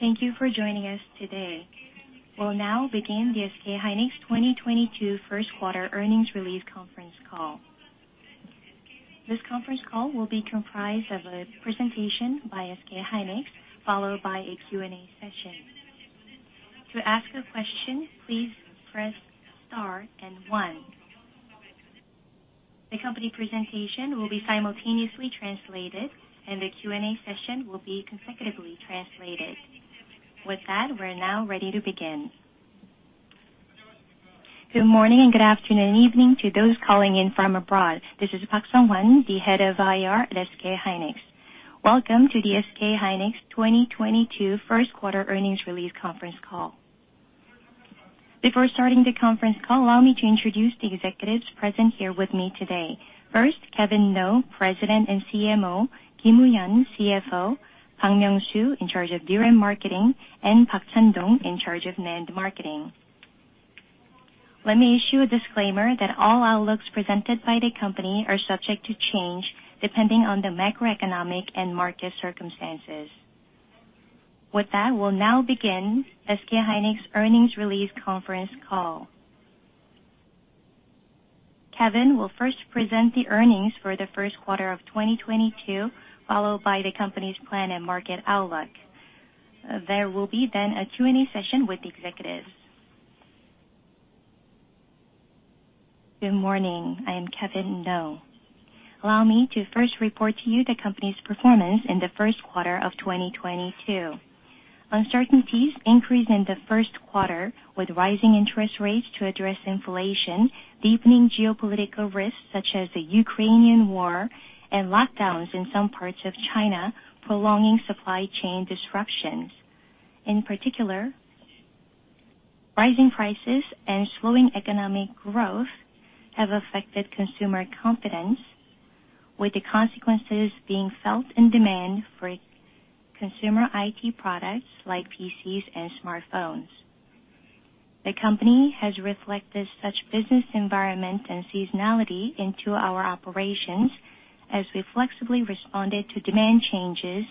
Thank you for joining us today. We'll now begin the SK hynix 2022 first quarter earnings release conference call. This conference call will be comprised of a presentation by SK hynix, followed by a Q&A session. To ask a question, please press star and one. The company presentation will be simultaneously translated, and the Q&A session will be consecutively translated. With that, we're now ready to begin. Good morning, and good afternoon, evening to those calling in from abroad. This is Park Seong-Hwan, the Head of IR at SK hynix. Welcome to the SK hynix 2022 first quarter earnings release conference call. Before starting the conference call, allow me to introduce the executives present here with me today. First, Kevin Noh, President and CMO, Kim Woohyun, CFO, Park Myoung-Soo, in charge of DRAM Marketing, and Park Chan-Dong, in charge of NAND Marketing. Let me issue a disclaimer that all outlooks presented by the company are subject to change depending on the macroeconomic and market circumstances. With that, we'll now begin SK hynix earnings release conference call. Kevin will first present the earnings for the first quarter of 2022, followed by the company's plan and market outlook. There will be then a Q&A session with the executives. Good morning. I am Kevin Noh. Allow me to first report to you the company's performance in the first quarter of 2022. Uncertainties increased in the first quarter with rising interest rates to address inflation, deepening geopolitical risks such as the Ukrainian war and lockdowns in some parts of China, prolonging supply chain disruptions. In particular, rising prices and slowing economic growth have affected consumer confidence, with the consequences being felt in demand for consumer IT products like PCs and smartphones. The company has reflected such business environment and seasonality into our operations as we flexibly responded to demand changes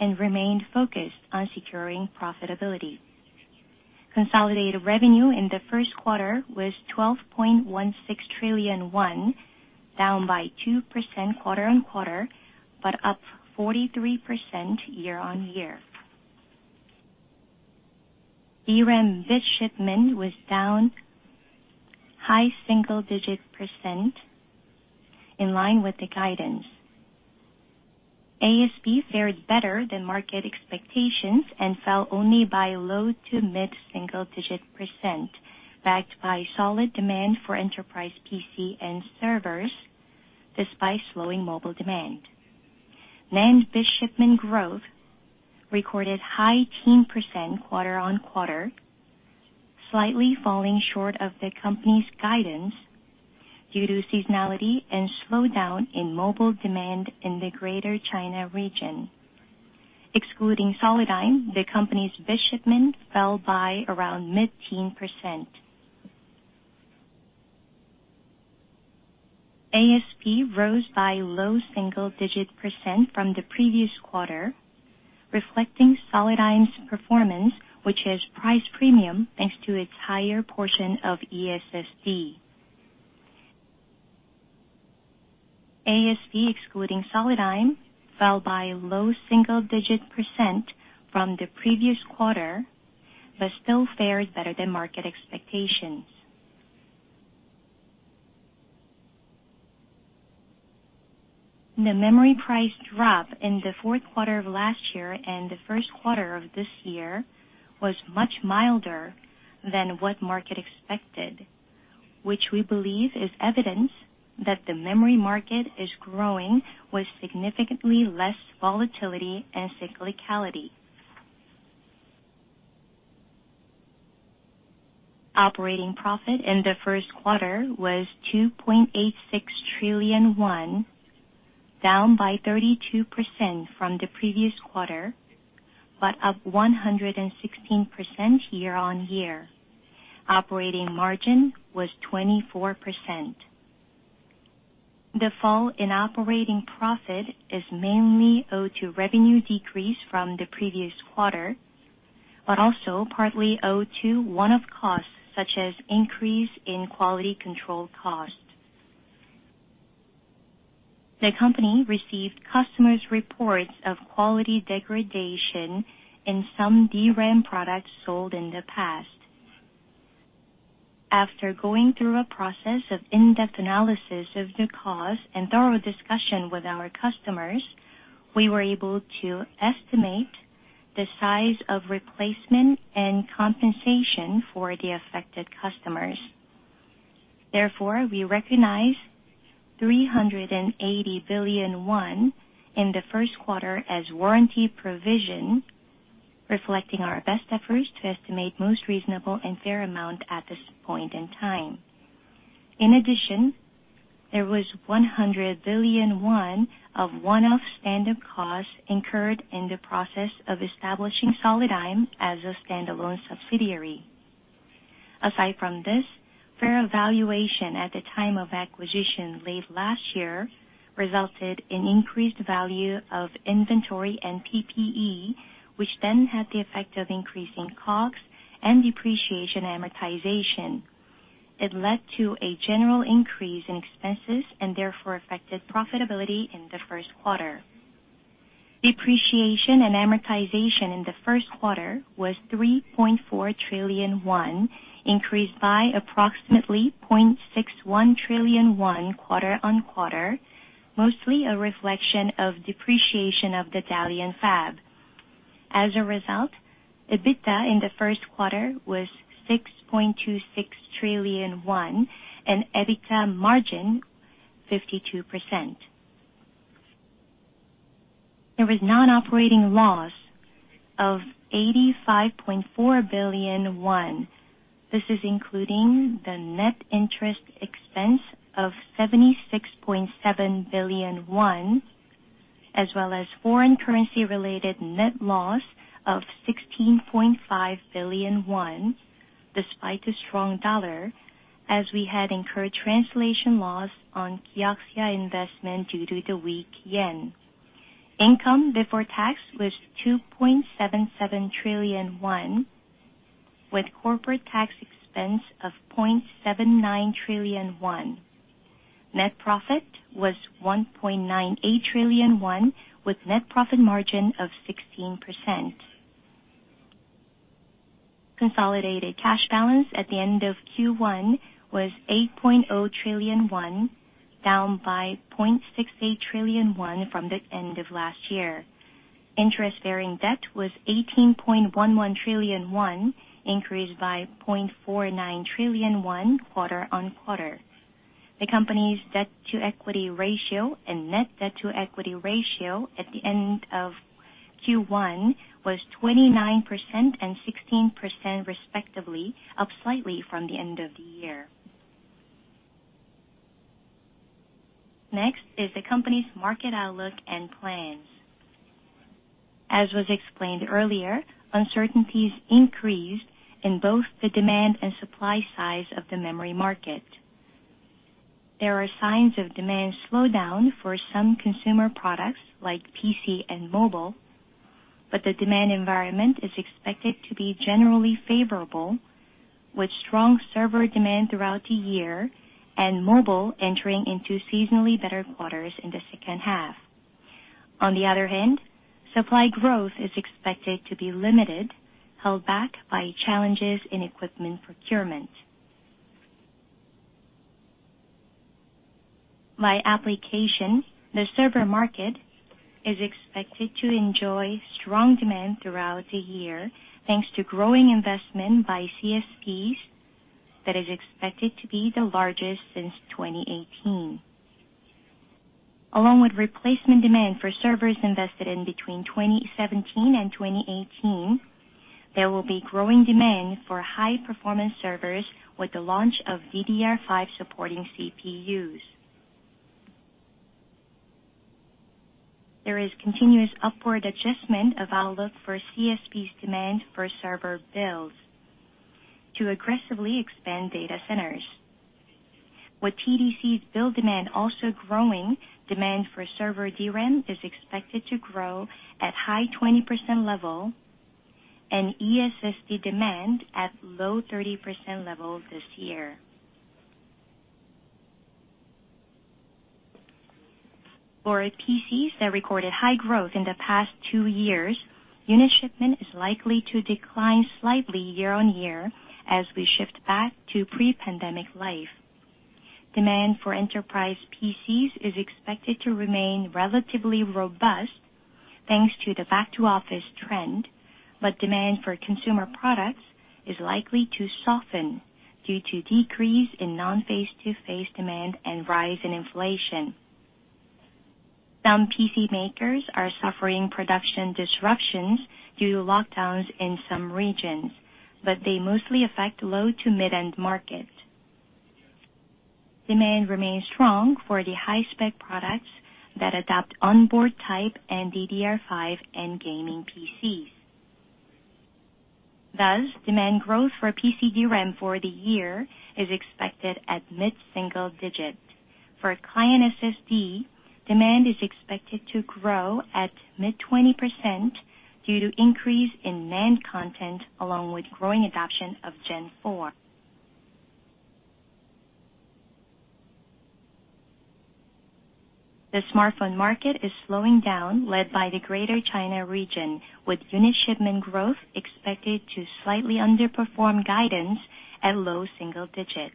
and remained focused on securing profitability. Consolidated revenue in the first quarter was 12.16 trillion won, down by 2% quarter-on-quarter, but up 43% year-on-year. DRAM bit shipment was down high single-digit percent in line with the guidance. ASP fared better than market expectations and fell only by low to mid-single-digit percent, backed by solid demand for enterprise PC and servers, despite slowing mobile demand. NAND bit shipment growth recorded high-teens percent quarter-on-quarter, slightly falling short of the company's guidance due to seasonality and slowdown in mobile demand in the Greater China region. Excluding Solidigm, the company's bit shipment fell by around mid-teens percent. ASP rose by low single-digit percent from the previous quarter, reflecting Solidigm's performance, which is price premium, thanks to its higher portion of eSSD. ASP, excluding Solidigm, fell by low single-digit percent from the previous quarter, but still fared better than market expectations. The memory price drop in the fourth quarter of last year and the first quarter of this year was much milder than what market expected, which we believe is evidence that the memory market is growing with significantly less volatility and cyclicality. Operating profit in the first quarter was 2.86 trillion won, down by 32% from the previous quarter, but up 116% year-on-year. Operating margin was 24%. The fall in operating profit is mainly owed to revenue decrease from the previous quarter, but also partly owed to one-off costs such as increase in quality control costs. The company received customers' reports of quality degradation in some DRAM products sold in the past. After going through a process of in-depth analysis of the cause and thorough discussion with our customers, we were able to estimate the size of replacement and compensation for the affected customers. Therefore, we recognize 380 billion won in the first quarter as warranty provision, reflecting our best efforts to estimate most reasonable and fair amount at this point in time. In addition, there was 100 billion won of one-off standard costs incurred in the process of establishing Solidigm as a standalone subsidiary. Aside from this, fair valuation at the time of acquisition late last year resulted in increased value of inventory and PPE, which then had the effect of increasing costs and depreciation amortization. It led to a general increase in expenses and therefore affected profitability in the first quarter. Depreciation and amortization in the first quarter was 3.4 trillion won, increased by approximately 0.61 trillion won quarter on quarter, mostly a reflection of depreciation of the Dalian fab. As a result, EBITDA in the first quarter was 6.26 trillion won, and EBITDA margin 52%. There was non-operating loss of 85.4 billion won. This is including the net interest expense of 76.7 billion won, as well as foreign currency related net loss of 16.5 billion won, despite the strong dollar, as we had incurred translation loss on Kioxia investment due to the weak yen. Income before tax was 2.77 trillion won, with corporate tax expense of 0.79 trillion won. Net profit was 1.98 trillion won, with net profit margin of 16%. Consolidated cash balance at the end of Q1 was 8.0 trillion won, down by 0.68 trillion won from the end of last year. Interest-bearing debt was 18.11 trillion won, increased by 0.49 trillion won quarter on quarter. The company's debt to equity ratio and net debt to equity ratio at the end of Q1 was 29% and 16% respectively, up slightly from the end of the year. Next is the company's market outlook and plans. As was explained earlier, uncertainties increased in both the demand and supply side of the memory market. There are signs of demand slowdown for some consumer products like PC and mobile, but the demand environment is expected to be generally favorable, with strong server demand throughout the year and mobile entering into seasonally better quarters in the second half. On the other hand, supply growth is expected to be limited, held back by challenges in equipment procurement. By application, the server market is expected to enjoy strong demand throughout the year, thanks to growing investment by CSPs that is expected to be the largest since 2018. Along with replacement demand for servers invested in between 2017 and 2018, there will be growing demand for high performance servers with the launch of DDR5 supporting CPUs. There is continuous upward adjustment of outlook for CSPs demand for server builds to aggressively expand data centers. With TDC's build demand also growing, demand for server DRAM is expected to grow at high 20% level and eSSD demand at low 30% level this year. For PCs that recorded high growth in the past two years, unit shipment is likely to decline slightly year-on-year as we shift back to pre-pandemic life. Demand for enterprise PCs is expected to remain relatively robust, thanks to the back to office trend, but demand for consumer products is likely to soften due to decrease in non-face-to-face demand and rise in inflation. Some PC makers are suffering production disruptions due to lockdowns in some regions, but they mostly affect low to mid-end markets. Demand remains strong for the high spec products that adopt onboard type and DDR5 in gaming PCs. Thus, demand growth for PC DRAM for the year is expected at mid-single-digit. For client SSD, demand is expected to grow at mid-20% due to increase in NAND content along with growing adoption of Gen 4. The smartphone market is slowing down, led by the Greater China region, with unit shipment growth expected to slightly underperform guidance at low-single-digit.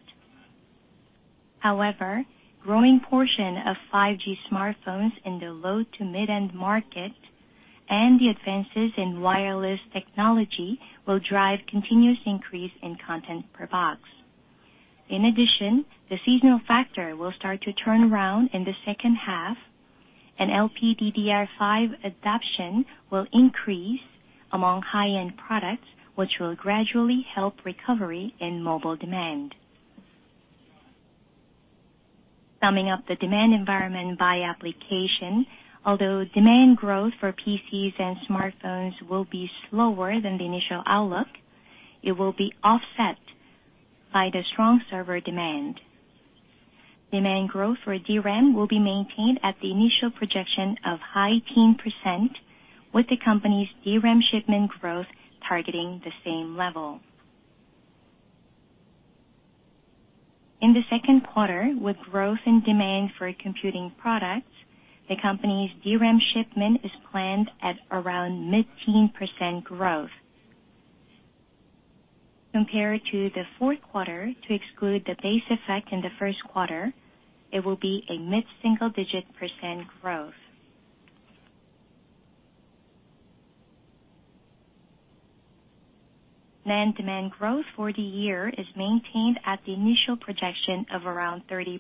However, growing portion of 5G smartphones in the low to mid-end market and the advances in wireless technology will drive continuous increase in content per box. In addition, the seasonal factor will start to turn around in the second half, and LPDDR5 adoption will increase among high-end products, which will gradually help recovery in mobile demand. Summing up the demand environment by application, although demand growth for PCs and smartphones will be slower than the initial outlook, it will be offset by the strong server demand. Demand growth for DRAM will be maintained at the initial projection of high teens percent, with the company's DRAM shipment growth targeting the same level. In the second quarter, with growth in demand for computing products, the company's DRAM shipment is planned at around mid-teens percent growth. Compared to the fourth quarter to exclude the base effect in the first quarter, it will be a mid-single digit percent growth. NAND demand growth for the year is maintained at the initial projection of around 30%.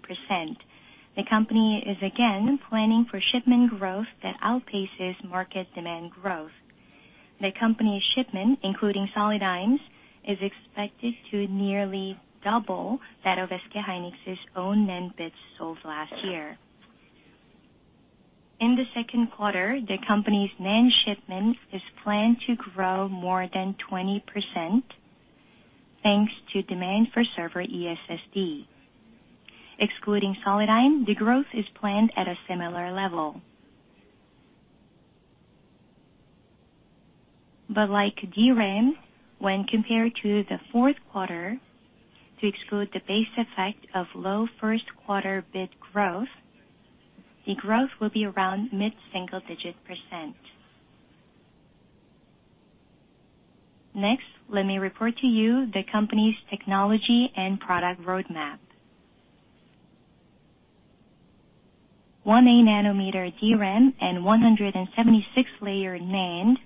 The company is again planning for shipment growth that outpaces market demand growth. The company's shipment, including Solidigm's, is expected to nearly double that of SK hynix's own NAND bits sold last year. In the second quarter, the company's NAND shipments is planned to grow more than 20%, thanks to demand for server eSSD. Excluding Solidigm, the growth is planned at a similar level. Like DRAM, when compared to the fourth quarter to exclude the base effect of low first quarter bit growth, the growth will be around mid-single digit percent. Next, let me report to you the company's technology and product roadmap. 1a nm DRAM and 176-layer NAND,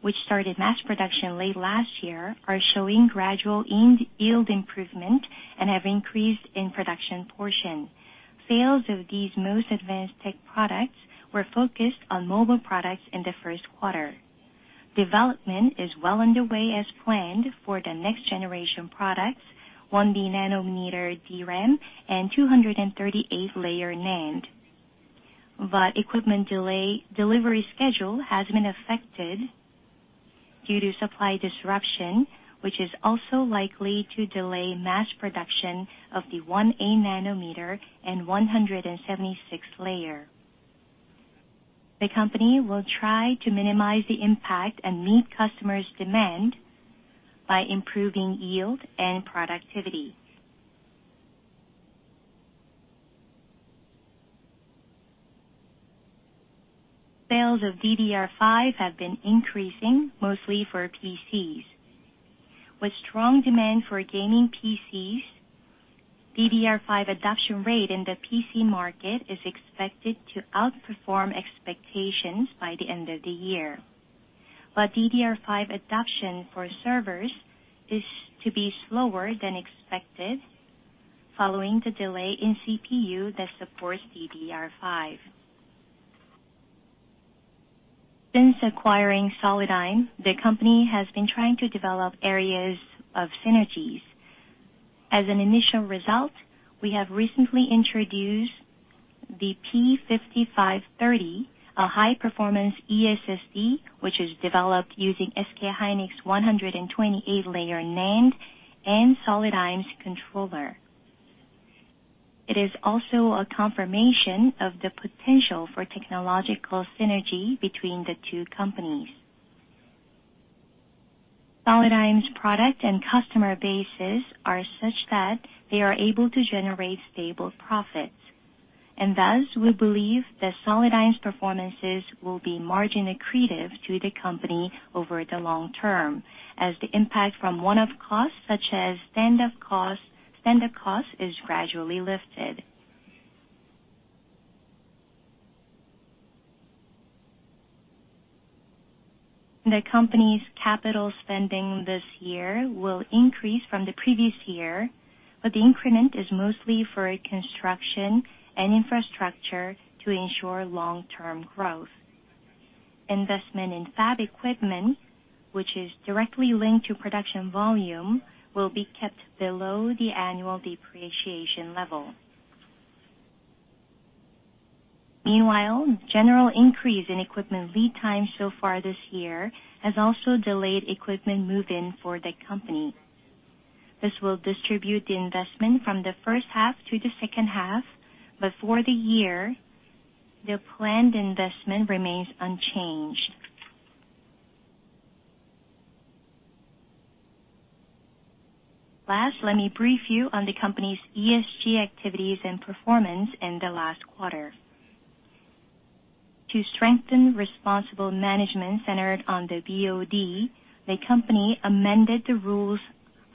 which started mass production late last year, are showing gradual improvement in yield and have increased in production portion. Sales of these most advanced tech products were focused on mobile products in the first quarter. Development is well underway as planned for the next generation products, 1b nm DRAM and 238-layer NAND. Equipment delivery schedule has been delayed due to supply disruption, which is also likely to delay mass production of the 1a nm and 176-layer. The company will try to minimize the impact and meet customers' demand by improving yield and productivity. Sales of DDR5 have been increasing mostly for PCs. With strong demand for gaming PCs, DDR5 adoption rate in the PC market is expected to outperform expectations by the end of the year. DDR5 adoption for servers is to be slower than expected following the delay in CPU that supports DDR5. Since acquiring Solidigm, the company has been trying to develop areas of synergies. As an initial result, we have recently introduced the P5530, a high-performance eSSD, which is developed using SK hynix 128-layer NAND and Solidigm's controller. It is also a confirmation of the potential for technological synergy between the two companies. Solidigm's product and customer bases are such that they are able to generate stable profits. Thus, we believe that Solidigm's performances will be margin accretive to the company over the long-term as the impact from one-off costs such as start-up costs is gradually lifted. The company's capital spending this year will increase from the previous year, but the increment is mostly for construction and infrastructure to ensure long-term growth. Investment in fab equipment, which is directly linked to production volume, will be kept below the annual depreciation level. Meanwhile, general increase in equipment lead time so far this year has also delayed equipment move-in for the company. This will distribute the investment from the first half to the second half. For the year, the planned investment remains unchanged. Last, let me brief you on the company's ESG activities and performance in the last quarter. To strengthen responsible management centered on the BOD, the company amended the rules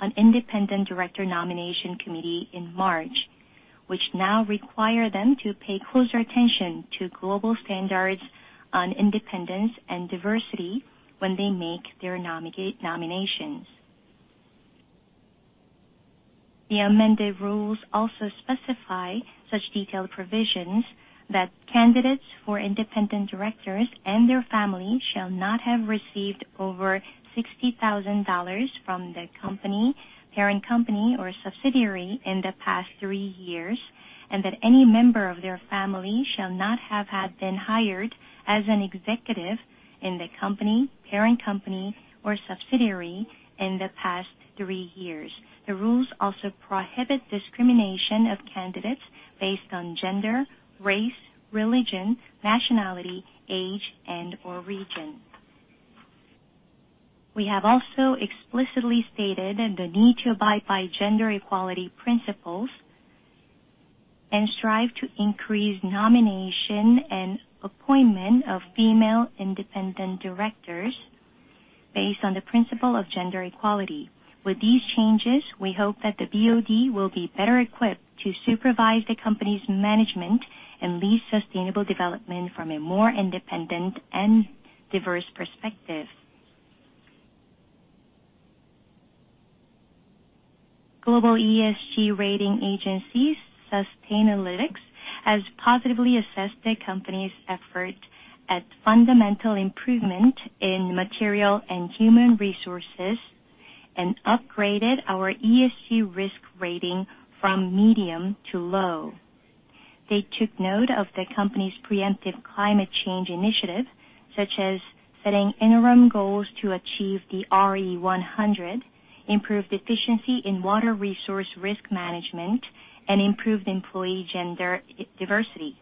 on independent director nomination committee in March, which now require them to pay closer attention to global standards on independence and diversity when they make their nominations. The amended rules also specify such detailed provisions. That candidates for independent directors and their family shall not have received over $60,000 from the company, parent company or subsidiary in the past three years. That any member of their family shall not have had been hired as an executive in the company, parent company or subsidiary in the past three years. The rules also prohibit discrimination of candidates based on gender, race, religion, nationality, age and/or region. We have also explicitly stated the need to abide by gender equality principles and strive to increase nomination and appointment of female independent directors based on the principle of gender equality. With these changes, we hope that the BOD will be better equipped to supervise the company's management and lead sustainable development from a more independent and diverse perspective. Global ESG rating agencies, Sustainalytics, has positively assessed the company's effort at fundamental improvement in material and human resources and upgraded our ESG risk rating from medium to low. They took note of the company's preemptive climate change initiative, such as setting interim goals to achieve the RE100, improved efficiency in water resource risk management, and improved employee gender diversity.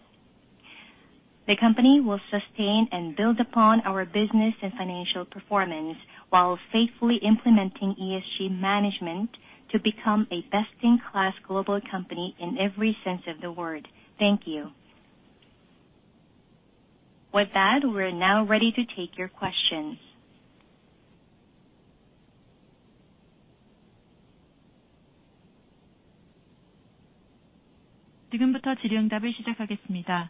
The company will sustain and build upon our business and financial performance while faithfully implementing ESG management to become a best-in-class global company in every sense of the word. Thank you. With that, we're now ready to take your questions. Now Q&A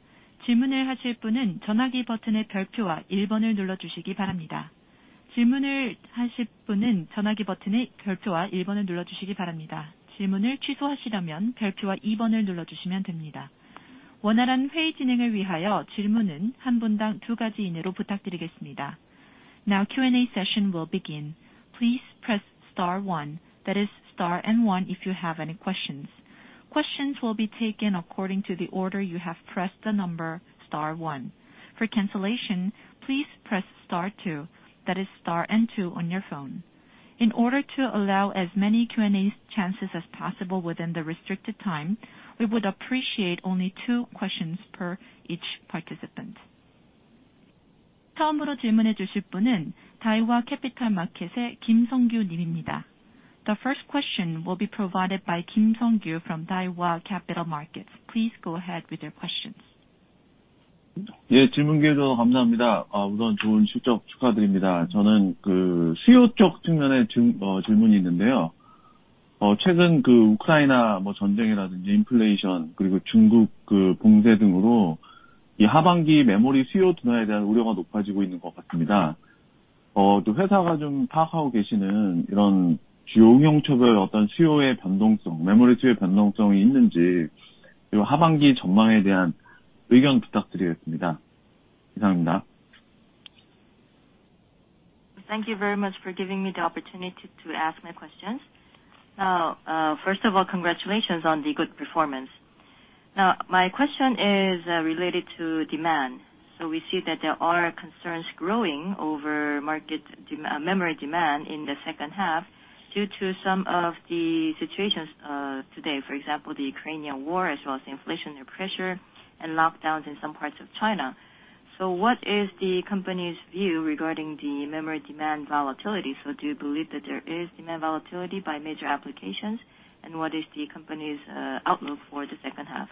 session will begin. Please press star one, that is star and one if you have any questions. Questions will be taken according to the order you have pressed the number star one. For cancellation, please press star two, that is star and two on your phone. In order to allow as many Q&A chances as possible within the restricted time, we would appreciate only two questions per each participant. The first question will be provided by Kim Sung Kyu from Daiwa Capital Markets. Please go ahead with your questions. Thank you very much for giving me the opportunity to ask my questions. First of all, congratulations on the good performance. Now, my question is related to demand. We see that there are concerns growing over market memory demand in the second half due to some of the situations today. For example, the Ukrainian war as well as inflationary pressure and lockdowns in some parts of China. What is the company's view regarding the memory demand volatility? Do you believe that there is demand volatility by major applications? And what is the company's outlook for the second half?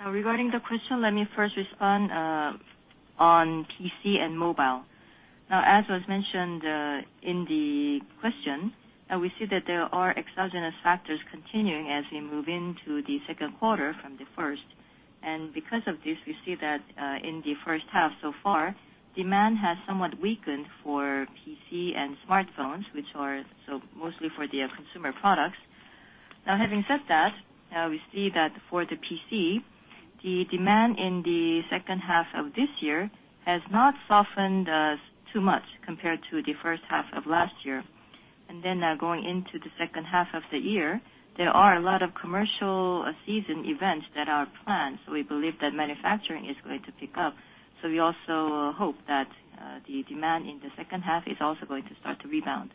Now regarding the question, let me first respond on PC and mobile. Now as was mentioned in the question, we see that there are exogenous factors continuing as we move into the second quarter from the first. Because of this, we see that in the first half so far, demand has somewhat weakened for PC and smartphones, which are so mostly for the consumer products. Now having said that, we see that for the PC, the demand in the second half of this year has not softened too much compared to the first half of last year. Going into the second half of the year, there are a lot of commercial season events that are planned. We believe that manufacturing is going to pick up. We also hope that the demand in the second half is also going to start to rebound.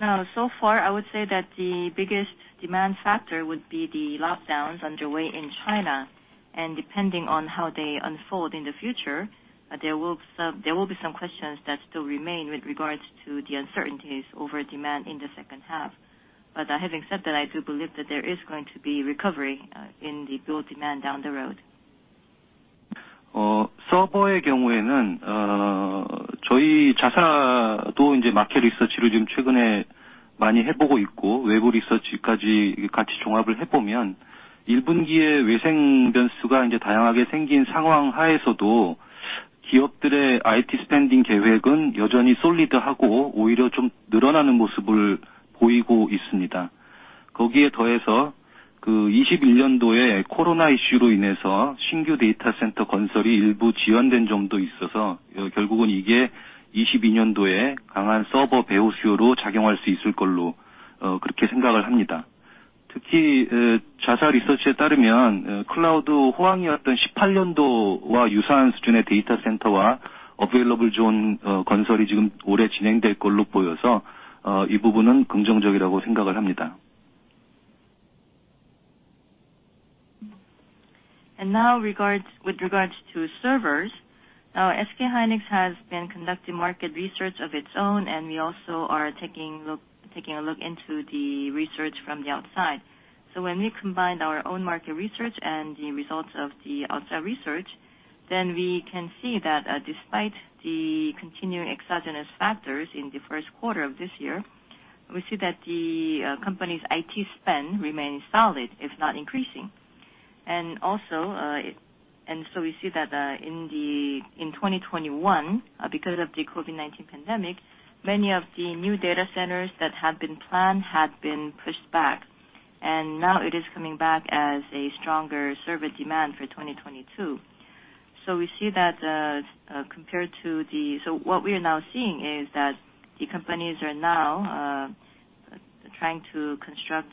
I would say that the biggest demand factor would be the lockdowns underway in China. Depending on how they unfold in the future, there will be some questions that still remain with regards to the uncertainties over demand in the second half. Having said that, I do believe that there is going to be recovery in the build demand down the road. Now, with regards to servers, SK hynix has been conducting market research of its own, and we also are taking a look into the research from the outside. When we combined our own market research and the results of the outside research, then we can see that, despite the continuing exogenous factors in the first quarter of this year, we see that the company's IT spend remains solid, if not increasing. We see that, in 2021, because of the COVID-19 pandemic, many of the new data centers that have been planned had been pushed back. Now it is coming back as a stronger server demand for 2022. We see that, compared to the What we are now seeing is that the companies are now trying to construct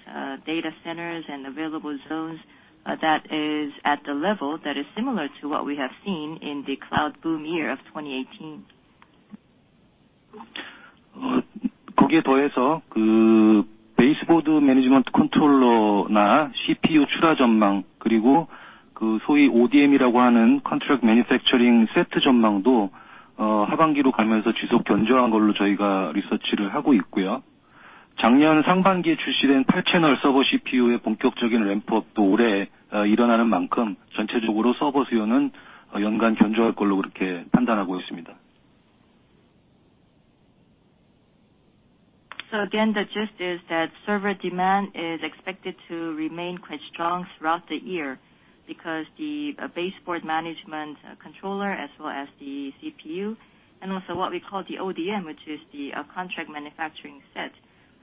data centers and availability zones that is at the level that is similar to what we have seen in the cloud boom year of 2018. Again, the gist is that server demand is expected to remain quite strong throughout the year because the baseboard management controller as well as the CPU and also what we call the ODM, which is the contract manufacturing set.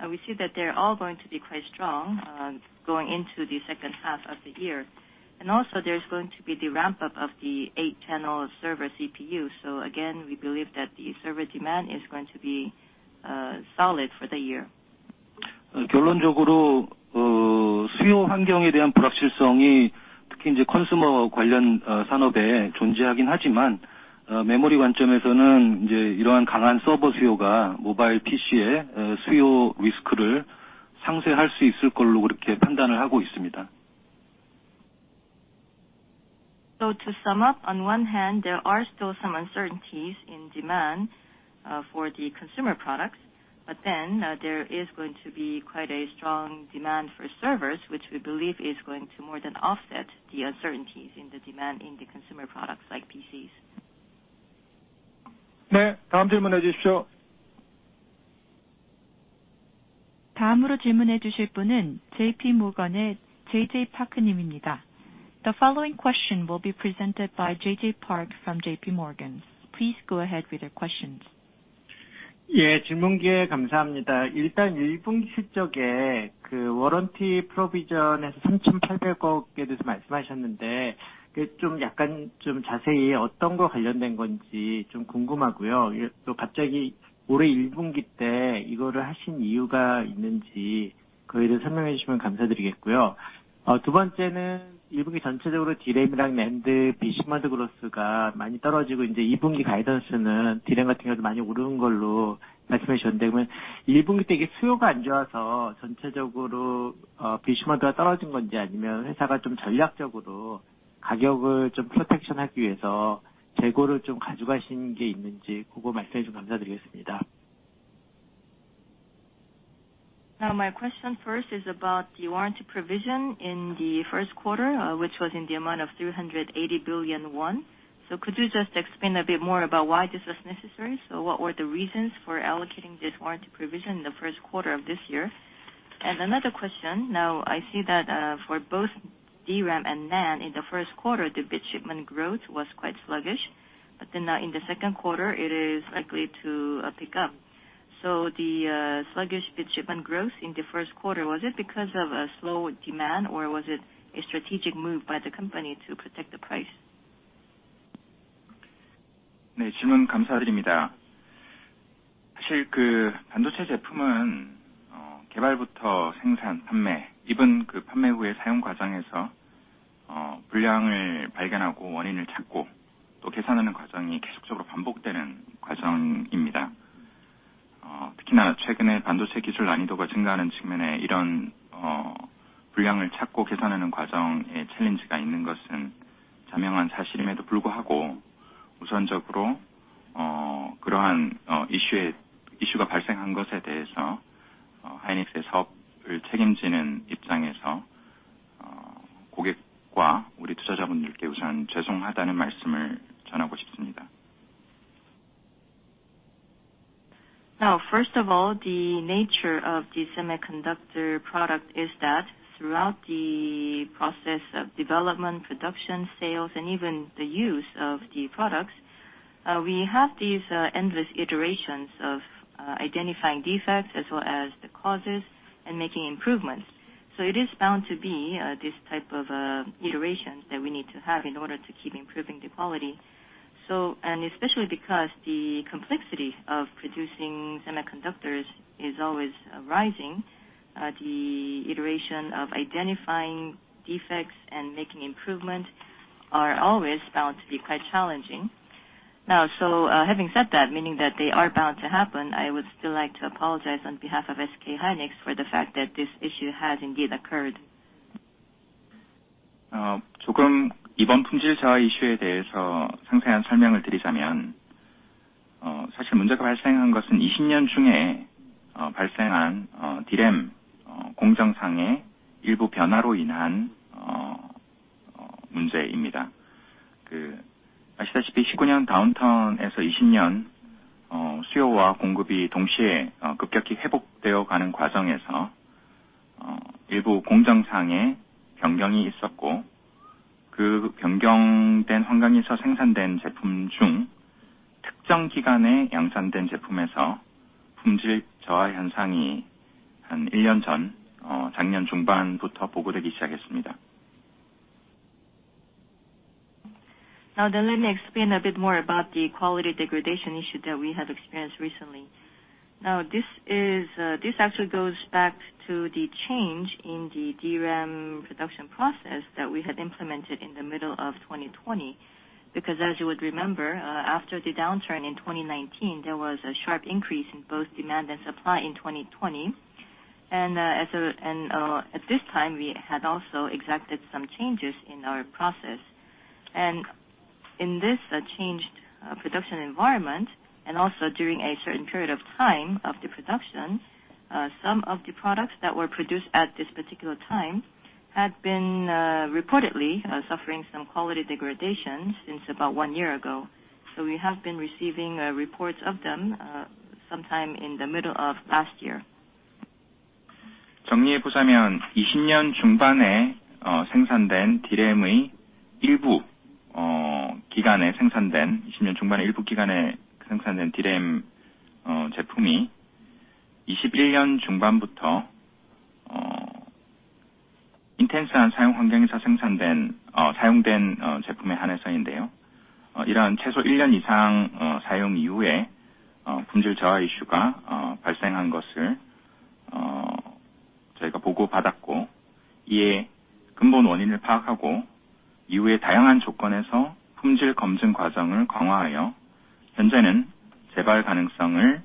We see that they're all going to be quite strong going into the second half of the year. Also there's going to be the ramp up of the 8-channel server CPU. Again, we believe that the server demand is going to be solid for the year. To sum up, on one hand, there are still some uncertainties in demand for the consumer products, but then there is going to be quite a strong demand for servers, which we believe is going to more than offset the uncertainties in the demand in the consumer products like PCs. The following question will be presented by J.J. Park from JPMorgan. Please go ahead with your questions. Now my question first is about the warranty provision in the first quarter, which was in the amount of 380 billion won. Could you just explain a bit more about why this was necessary? What were the reasons for allocating this warranty provision in the first quarter of this year? And another question, now I see that, for both DRAM and NAND in the first quarter, the bit shipment growth was quite sluggish, but then, in the second quarter, it is likely to pick up. The sluggish bit shipment growth in the first quarter, was it because of a slow demand or was it a strategic move by the company to protect the price? Now first of all, the nature of the semiconductor product is that throughout the process of development, production, sales and even the use of the products, we have these endless iterations of identifying defects as well as the causes and making improvements. It is bound to be this type of iterations that we need to have in order to keep improving the quality. Especially because the complexity of producing semiconductors is always rising, the iteration of identifying defects and making improvements are always bound to be quite challenging. Having said that, meaning that they are bound to happen, I would still like to apologize on behalf of SK hynix for the fact that this issue has indeed occurred. Let me explain a bit more about the quality degradation issue that we have experienced recently. This actually goes back to the change in the DRAM production process that we had implemented in the middle of 2020. As you would remember, after the downturn in 2019, there was a sharp increase in both demand and supply in 2020. At this time, we had also enacted some changes in our process. In this changed production environment and also during a certain period of time of the production, some of the products that were produced at this particular time had been reportedly suffering some quality degradation since about one year ago. We have been receiving reports of them sometime in the middle of last year.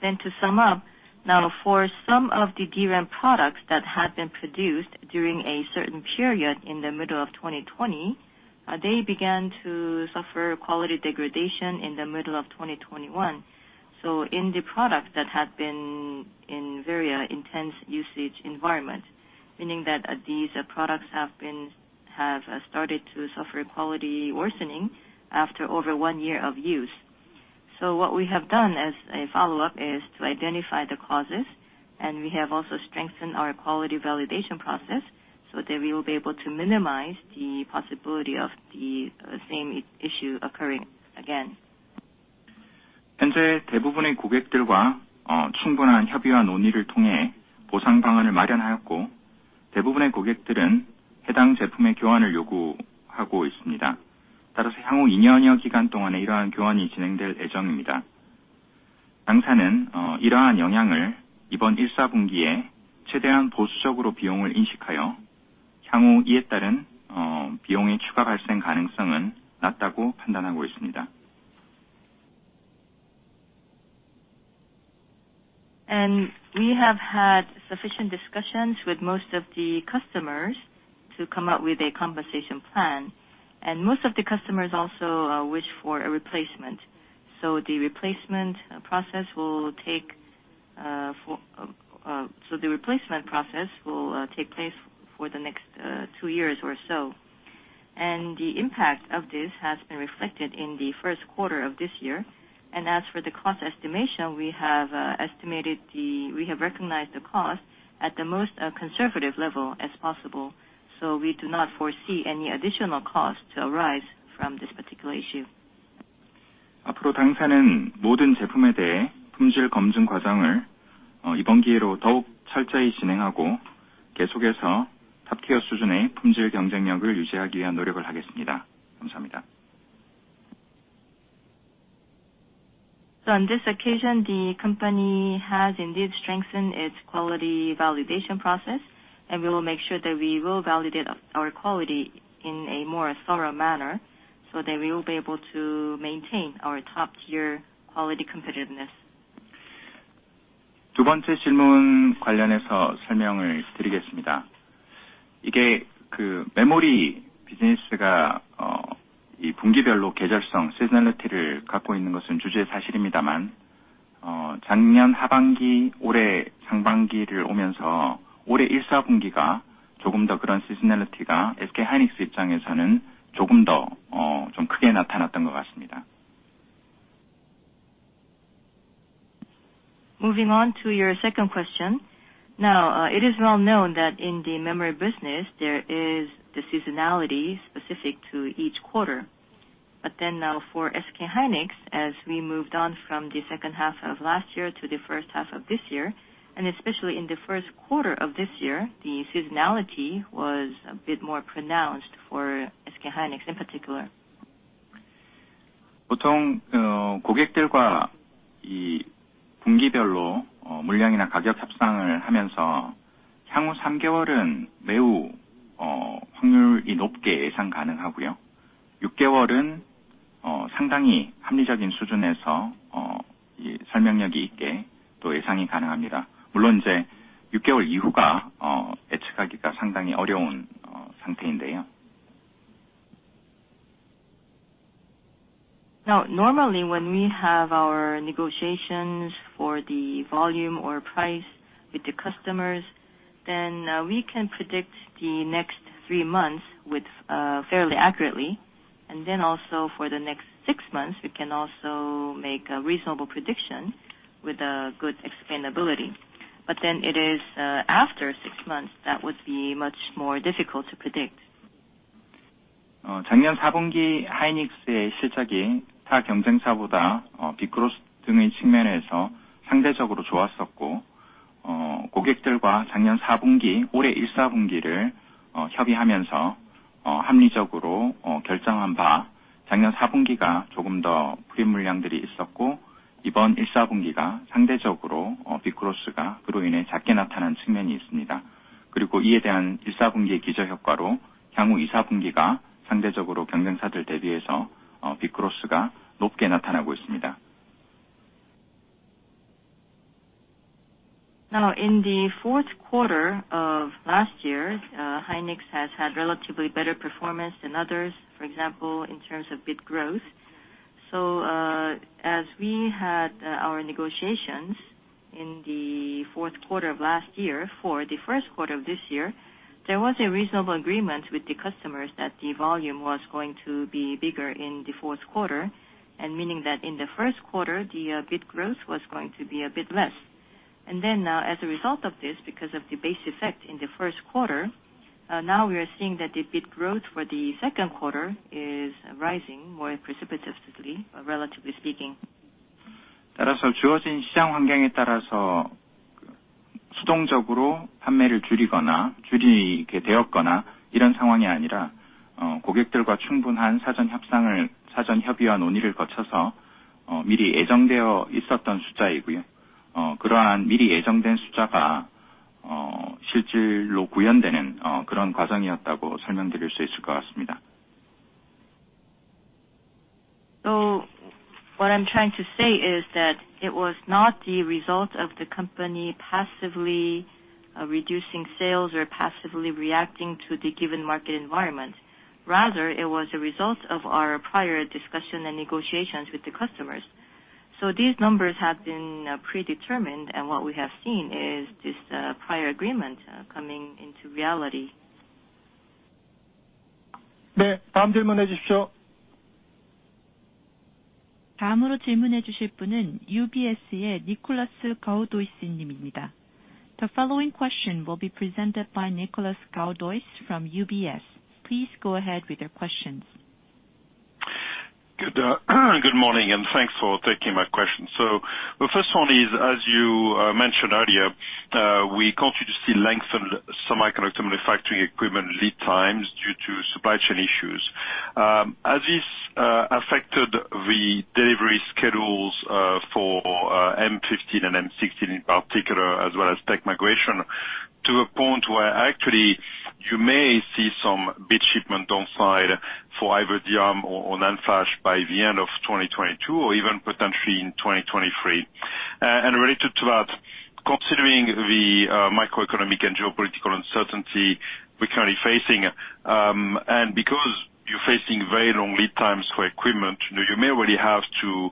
To sum up. Now for some of the DRAM products that had been produced during a certain period in the middle of 2020, they began to suffer quality degradation in the middle of 2021. In the product that had been in very intense usage environment, meaning that these products have started to suffer quality worsening after over one year of use. What we have done as a follow-up is to identify the causes, and we have also strengthened our quality validation process, so that we will be able to minimize the possibility of the same issue occurring again. We have had sufficient discussions with most of the customers to come up with a compensation plan. Most of the customers also wish for a replacement. The replacement process will take place for the next two years or so. The impact of this has been reflected in the first quarter of this year. As for the cost estimation, we have recognized the cost at the most conservative level as possible. We do not foresee any additional costs to arise from this particular issue. On this occasion, the company has indeed strengthened its quality validation process, and we will make sure that we will validate our quality in a more thorough manner so that we will be able to maintain our top-tier quality competitiveness. Moving on to your second question. Now, it is well known that in the memory business there is the seasonality specific to each quarter. Now for SK hynix, as we moved on from the second half of last year to the first half of this year, and especially in the first quarter of this year, the seasonality was a bit more pronounced for SK hynix in particular. Now, normally, when we have our negotiations for the volume or price with the customers, then, we can predict the next three months with fairly accurately. also for the next six months, we can also make a reasonable prediction with a good explainability. it is, after six months that would be much more difficult to predict. Now, in the fourth quarter of last year, hynix has had relatively better performance than others. For example, in terms of bit growth. As we had our negotiations in the fourth quarter of last year for the first quarter of this year, there was a reasonable agreement with the customers that the volume was going to be bigger in the fourth quarter, and meaning that in the first quarter the bit growth was going to be a bit less. As a result of this, because of the base effect in the first quarter, now we are seeing that the bit growth for the second quarter is rising more precipitously, relatively speaking. What I'm trying to say is that it was not the result of the company passively reducing sales or passively reacting to the given market environment. Rather, it was a result of our prior discussion and negotiations with the customers. These numbers have been predetermined, and what we have seen is this prior agreement coming into reality. The following question will be presented by Nicolas Gaudois from UBS. Please go ahead with your questions. Good morning, and thanks for taking my question. The first one is, as you mentioned earlier, we continue to see lengthened semiconductor manufacturing equipment lead times due to supply chain issues. Has this affected the delivery schedules for M15 and M16 in particular, as well as tech migration to a point where actually you may see some bit shipment downside for either DRAM or NAND flash by the end of 2022 or even potentially in 2023? Related to that, considering the macroeconomic and geopolitical uncertainty we're currently facing, and because you're facing very long lead times for equipment, you know, you may already have to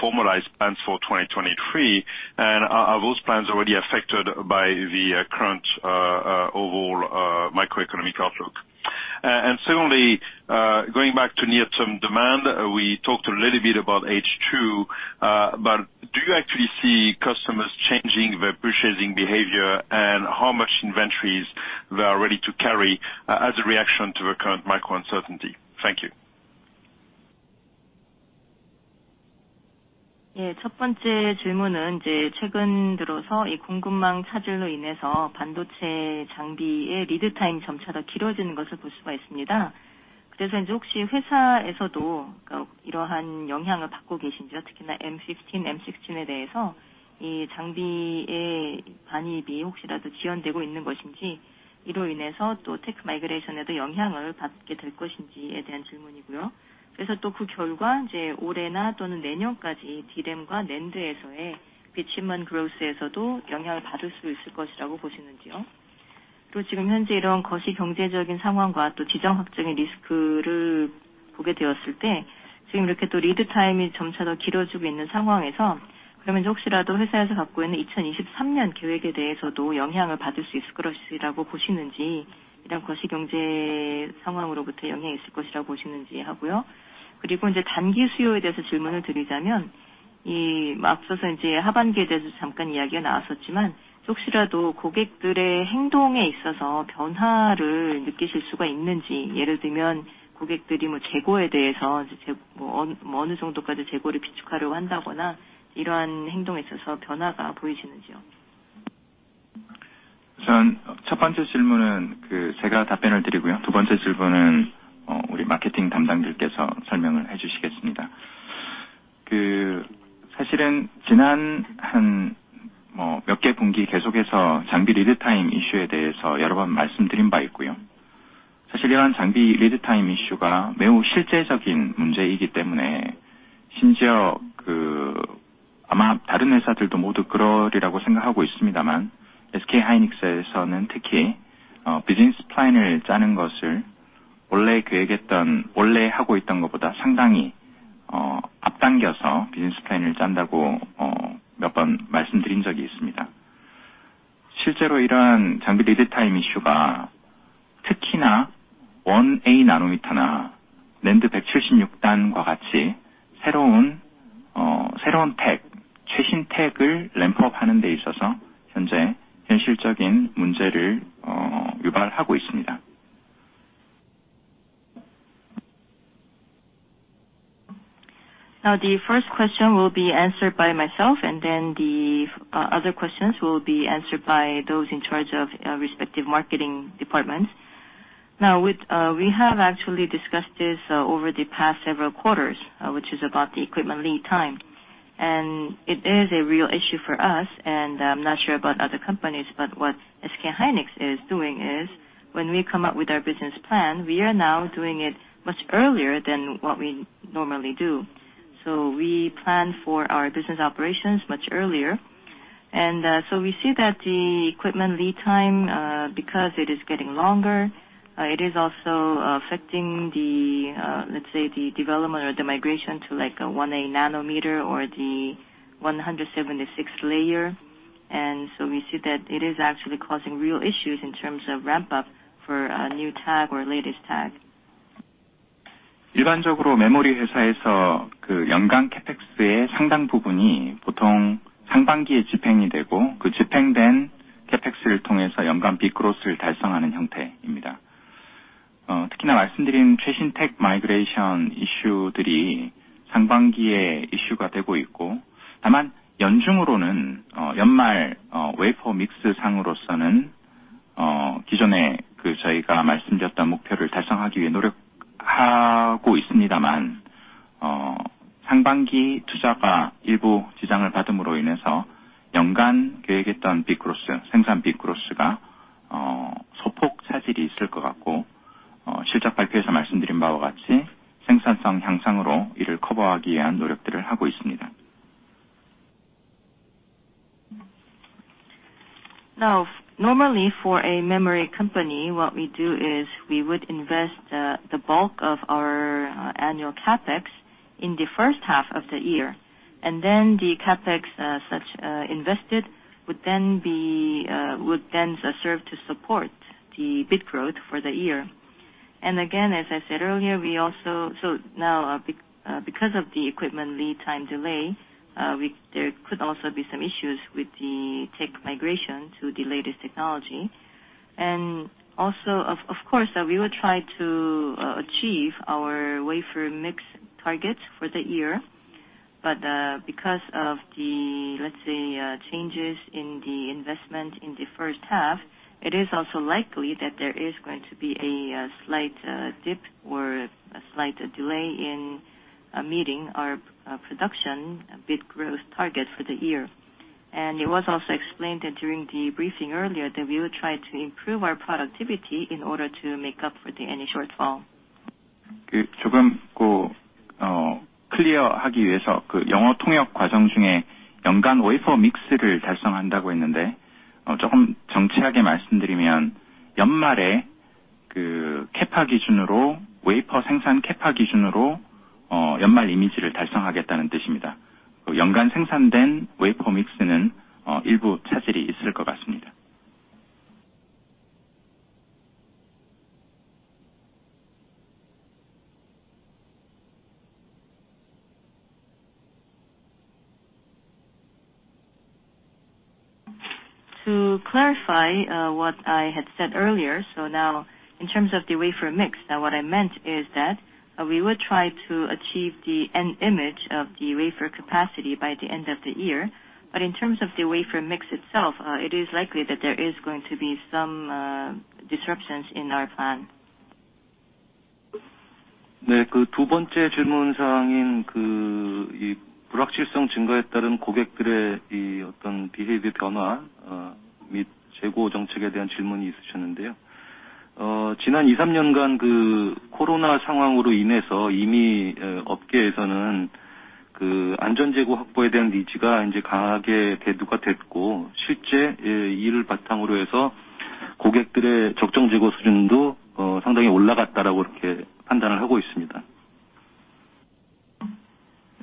formalize plans for 2023. Are those plans already affected by the current overall macroeconomic outlook? Secondly, going back to near-term demand, we talked a little bit about H2, but do you actually see customers changing their purchasing behavior and how much inventories they are ready to carry as a reaction to the current macro uncertainty? Thank you. The first question will be answered by myself, and then the other questions will be answered by those in charge of respective marketing departments. Now with, we have actually discussed this over the past several quarters, which is about the equipment lead time, and it is a real issue for us, and I'm not sure about other companies. What SK hynix is doing is when we come up with our business plan, we are now doing it much earlier than what we normally do. We plan for our business operations much earlier. We see that the equipment lead time, because it is getting longer, it is also affecting the, let's say the development or the migration to like 1a nm or the 176-layer. We see that it is actually causing real issues in terms of ramp up for a new tech or latest tech. Now, normally for a memory company, what we do is we would invest the bulk of our annual CapEx in the first half of the year, and then the CapEx invested would then serve to support the bit growth for the year. Again, as I said earlier, because of the equipment lead time delay, there could also be some issues with the tech migration to the latest technology. Of course, we will try to achieve our wafer mix targets for the year. Because of the, let's say, changes in the investment in the first half, it is also likely that there is going to be a slight dip or a slight delay in meeting our production bit growth target for the year. It was also explained during the briefing earlier that we will try to improve our productivity in order to make up for any shortfall. To clarify what I had said earlier.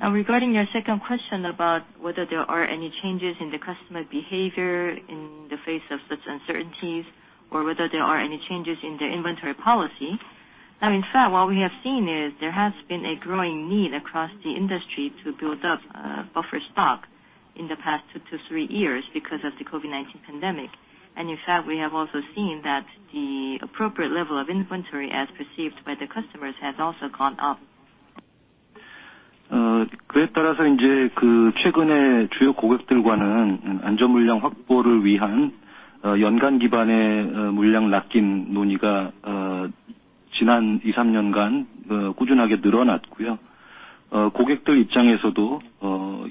Now in terms of the wafer mix, what I meant is that we will try to achieve the end image of the wafer capacity by the end of the year. In terms of the wafer mix itself, it is likely that there is going to be some disruptions in our plan. Regarding your second question about whether there are any changes in the customer behavior in the face of such uncertainties or whether there are any changes in their inventory policy. In fact, what we have seen is there has been a growing need across the industry to build up buffer stock in the past two to three years because of the COVID-19 pandemic. We have also seen that the appropriate level of inventory as perceived by the customers has also gone up. That is why there have been more talks of increasing safety volume with our major customers, and there have been increased discussions of the year-end volume lock-in over the past two to three years. This is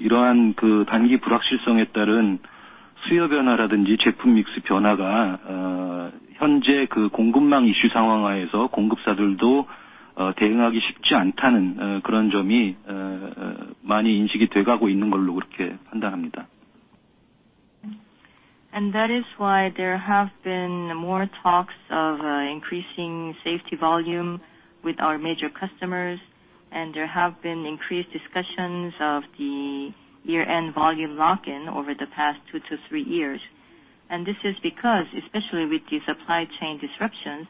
because, especially with the supply chain disruptions that we are seeing globally, there is also the perception among the customers that it is very difficult to respond to any changes in the demand or the product mix. For example, if I may cite PCs as a case in point and compared to last year, we see that particularly this year for PCs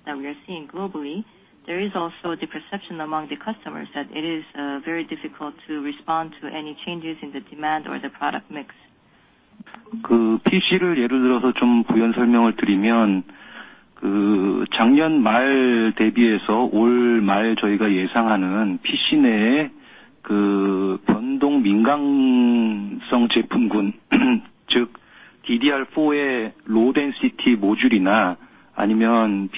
some of the modules that are more sensitive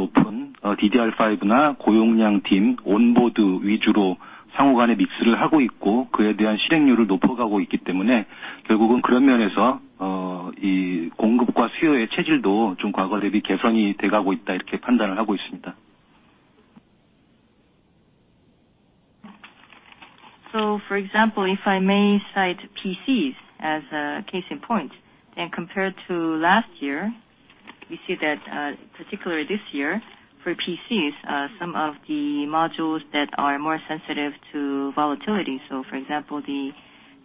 to volatility. For example, the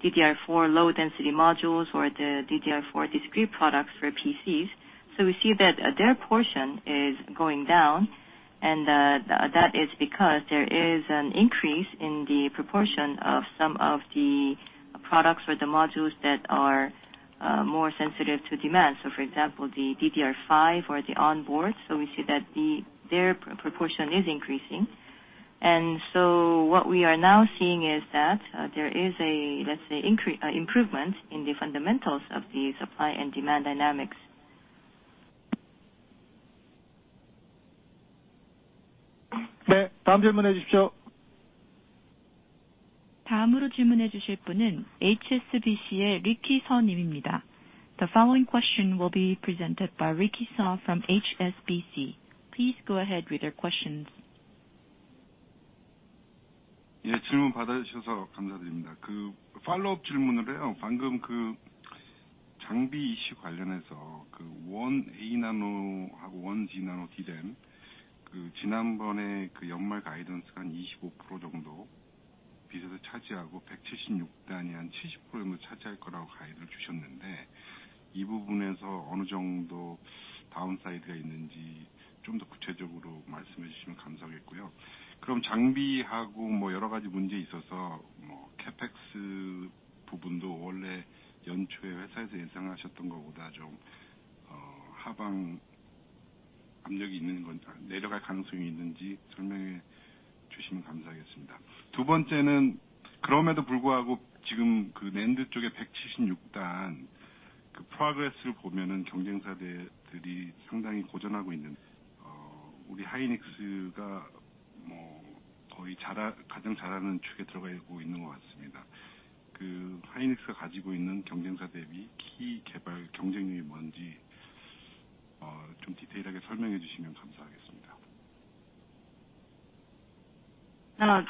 DDR4 low density modules or the DDR4 discrete products for PCs. We see that their portion is going down. That is because there is an increase in the proportion of some of the products or the modules that are more sensitive to demand. For example, the DDR5 or the on board. We see that their proportion is increasing. What we are now seeing is that there is a, let's say, improvement in the fundamentals of the supply and demand dynamics. The following question will be presented by Ricky Seo from HSBC. Please go ahead with your questions. Yes.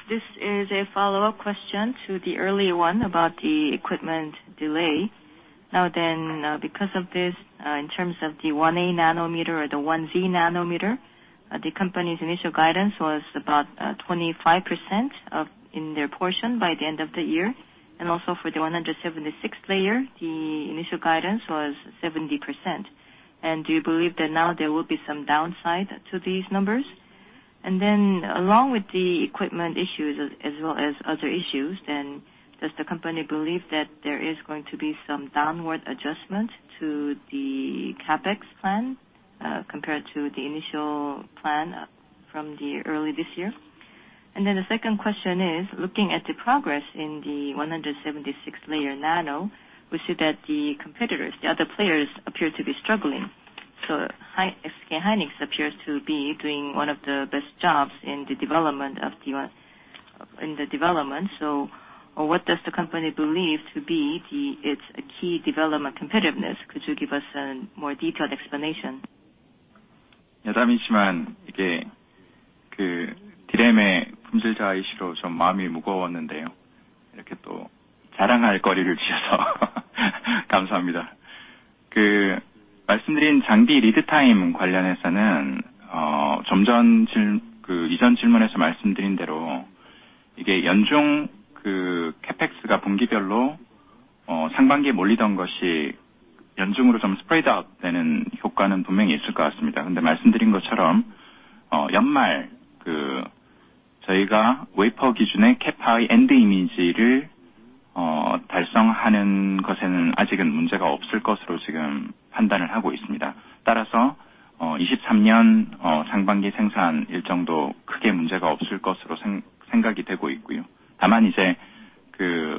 This is a follow-up question to the earlier one about the equipment delay. Now then, because of this, in terms of the 1a nm or the 1z nm, the company's initial guidance was about 25% in their portion by the end of the year. Also for the 176-layer, the initial guidance was 70%. Do you believe that now there will be some downside to these numbers? Along with the equipment issues as well as other issues, does the company believe that there is going to be some downward adjustment to the CapEx plan, compared to the initial plan from early this year? The second question is, looking at the progress in the 176-layer NAND, we see that the competitors, the other players appear to be struggling. SK hynix appears to be doing one of the best jobs in the development. What does the company believe to be its key development competitiveness? Could you give us a more detailed explanation? Well, first off, let me thank you for the chance to, let's say, boast about our competency as I was feeling a bit heavy-hearted because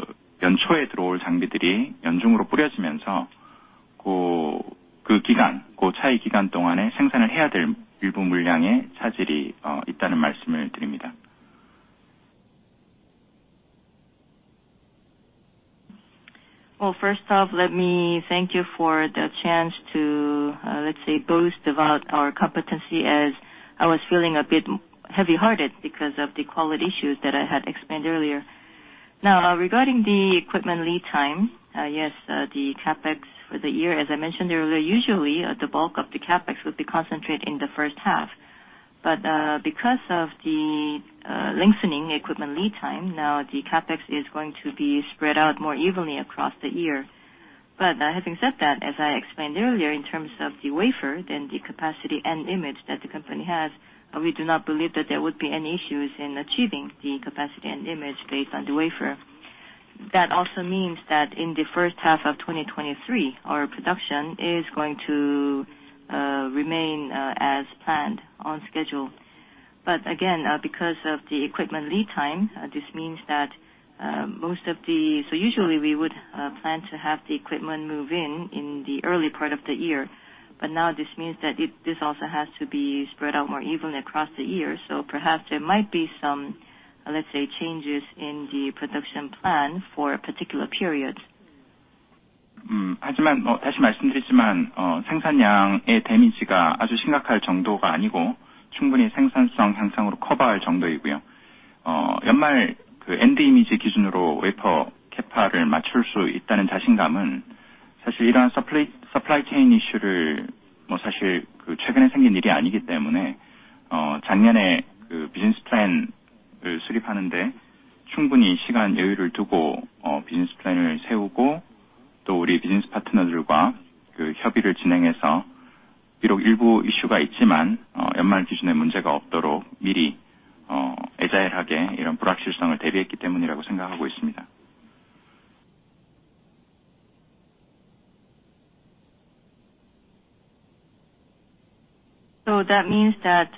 of the quality issues that I had explained earlier. Now, regarding the equipment lead time, yes, the CapEx for the year, as I mentioned earlier, usually, the bulk of the CapEx would be concentrated in the first half. Because of the lengthening equipment lead time, now the CapEx is going to be spread out more evenly across the year. But having said that, as I explained earlier, in terms of the wafer, then the capacity and ramp that the company has, we do not believe that there would be any issues in achieving the capacity and ramp based on the wafer. That also means that in the first half of 2023, our production is going to remain as planned on schedule. Again, because of the equipment lead time, this means that usually we would plan to have the equipment move in the early part of the year. Now this means that it this also has to be spread out more evenly across the year. Perhaps there might be some, let's say, changes in the production plan for particular periods. That means that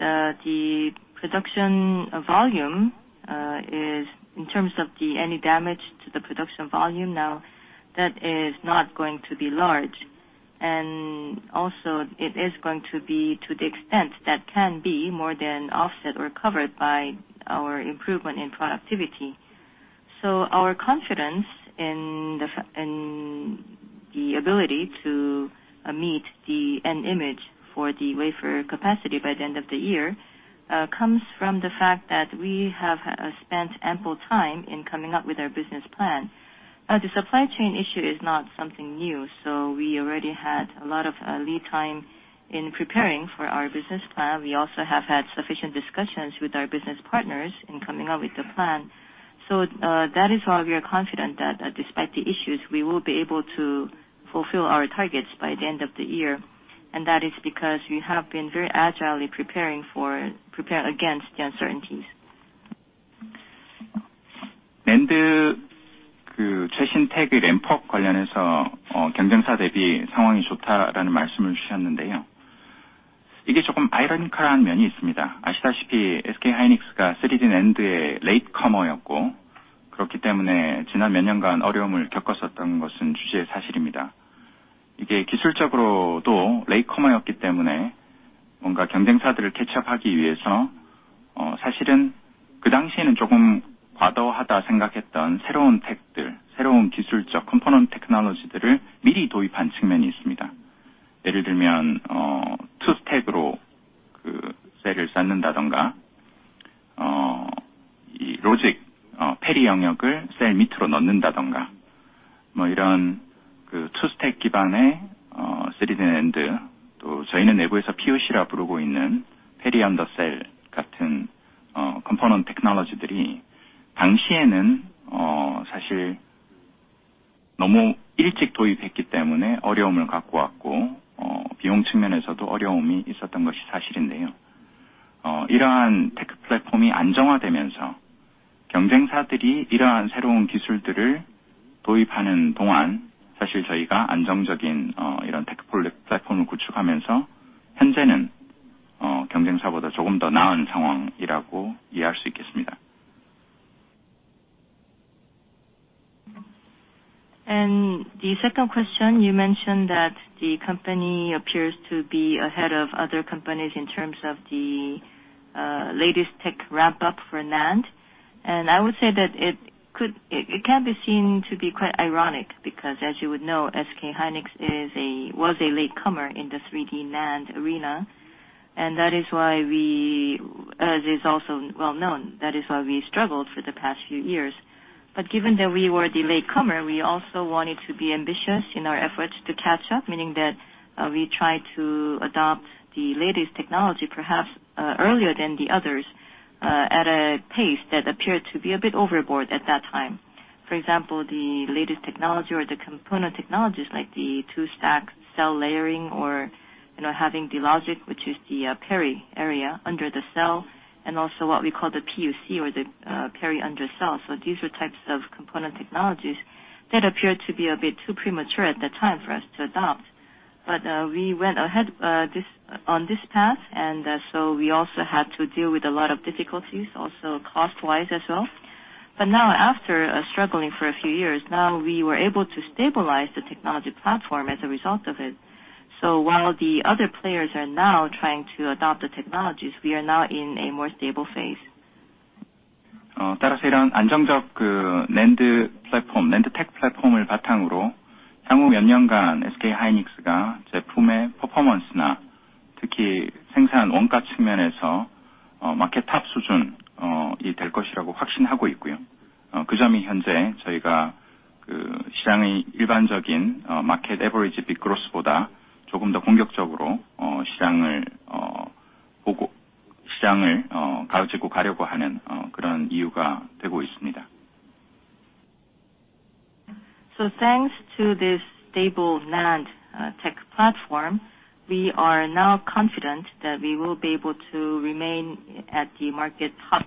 the production volume is in terms of any damage to the production volume now that is not going to be large. Also it is going to be to the extent that can be more than offset or covered by our improvement in productivity. Our confidence in the ability to meet the endgame for the wafer capacity by the end of the year comes from the fact that we have spent ample time in coming up with our business plan. The supply chain issue is not something new, so we already had a lot of lead time in preparing for our business plan. We also have had sufficient discussions with our business partners in coming up with the plan. That is why we are confident that despite the issues, we will be able to fulfill our targets by the end of the year. That is because we have been very agilely preparing against the uncertainties. The second question, you mentioned that the company appears to be ahead of other companies in terms of the latest tech ramp up for NAND. I would say that it can be seen to be quite ironic because as you would know, SK hynix was a latecomer in the 3D NAND arena. That is why we, as is also well-known, struggled for the past few years. Given that we were the latecomer, we also wanted to be ambitious in our efforts to catch up, meaning that we tried to adopt the latest technology, perhaps, earlier than the others, at a pace that appeared to be a bit overboard at that time. For example, the latest technology or the component technologies like the two stack cell layering or, you know, having the logic, which is the peri area under the cell, and also what we call the PUC or the peri under cell. These are types of component technologies that appeared to be a bit too premature at that time for us to adopt. We went ahead on this path, and so we also had to deal with a lot of difficulties also cost-wise as well. Now after struggling for a few years now, we were able to stabilize the technology platform as a result of it. While the other players are now trying to adopt the technologies, we are now in a more stable phase. Thanks to this stable NAND tech platform, we are now confident that we will be able to remain at the market top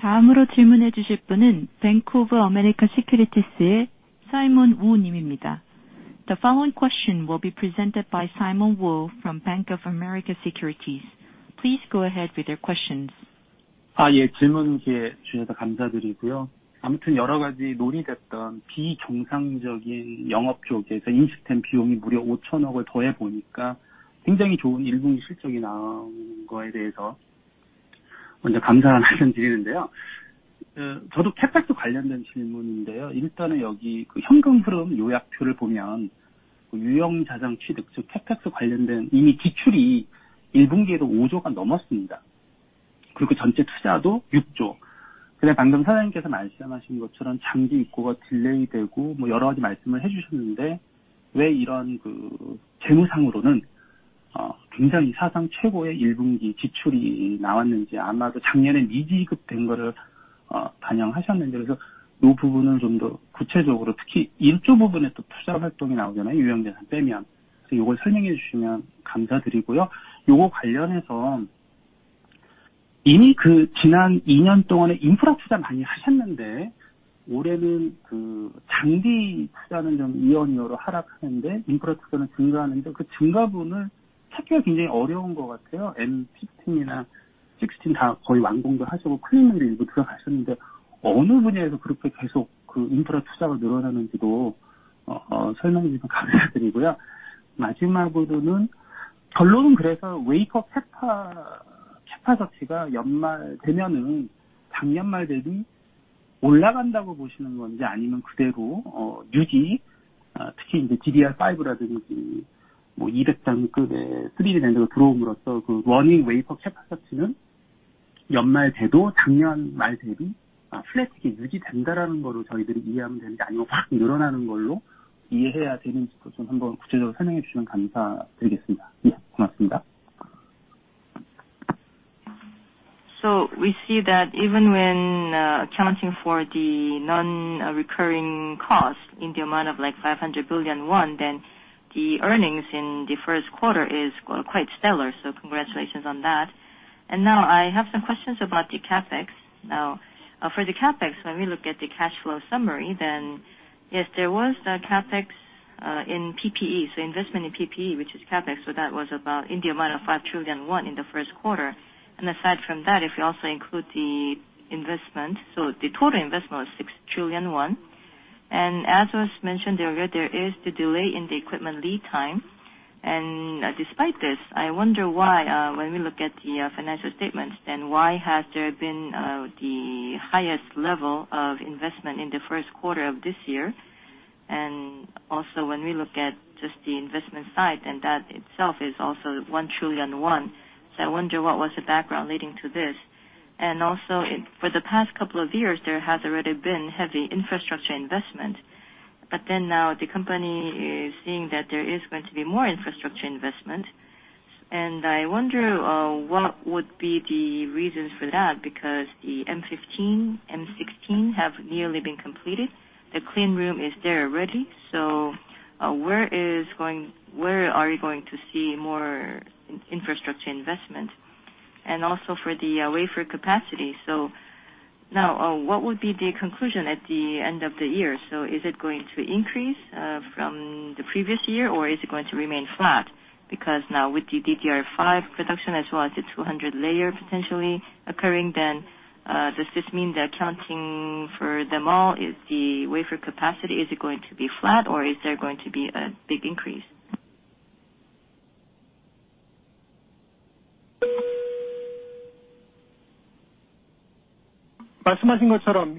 position in terms of product performance and production costs. That is also why the company is trying to take the leadership in terms of aggressive bit growth that is going to outpace the market average. The following question will be presented by Simon Woo from Bank of America Securities. Please go ahead with your questions. We see that even when accounting for the non-recurring cost in the amount of like 500 billion won, then the earnings in the first quarter is quite stellar. Congratulations on that. Now I have some questions about the CapEx. For the CapEx, when we look at the cash flow summary, then yes, there was the CapEx in PPE. Investment in PPE, which is CapEx. That was about in the amount of 5 trillion won in the first quarter. Aside from that, if you also include the investment, so the total investment was 6 trillion won. As was mentioned earlier, there is the delay in the equipment lead time. Despite this, I wonder why, when we look at the financial statements, then why has there been the highest level of investment in the first quarter of this year? Also when we look at just the investment side, and that itself is also 1 trillion. I wonder what was the background leading to this? Also for the past couple of years, there has already been heavy infrastructure investment. Then now the company is seeing that there is going to be more infrastructure investment. I wonder what would be the reasons for that? Because the M15, M16 have nearly been completed. The clean room is there already. Where are you going to see more infrastructure investment? Also for the wafer capacity. Now, what would be the conclusion at the end of the year? Is it going to increase from the previous year, or is it going to remain flat? Because now with the DDR5 production as well as the 200-layer potentially occurring, then does this mean that accounting for them all, is the wafer capacity going to be flat or is there going to be a big increase? Now,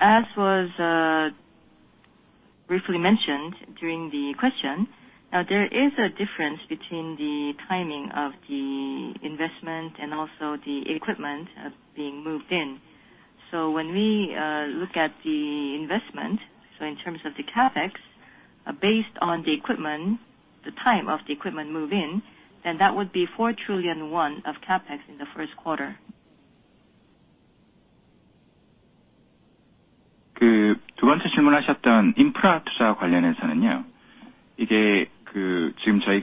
as was briefly mentioned during the question, now there is a difference between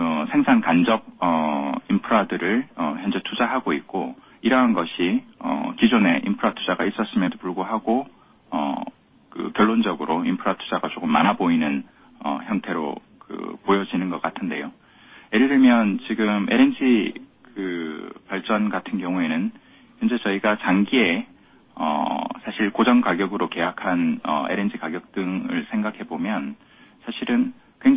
the timing of the investment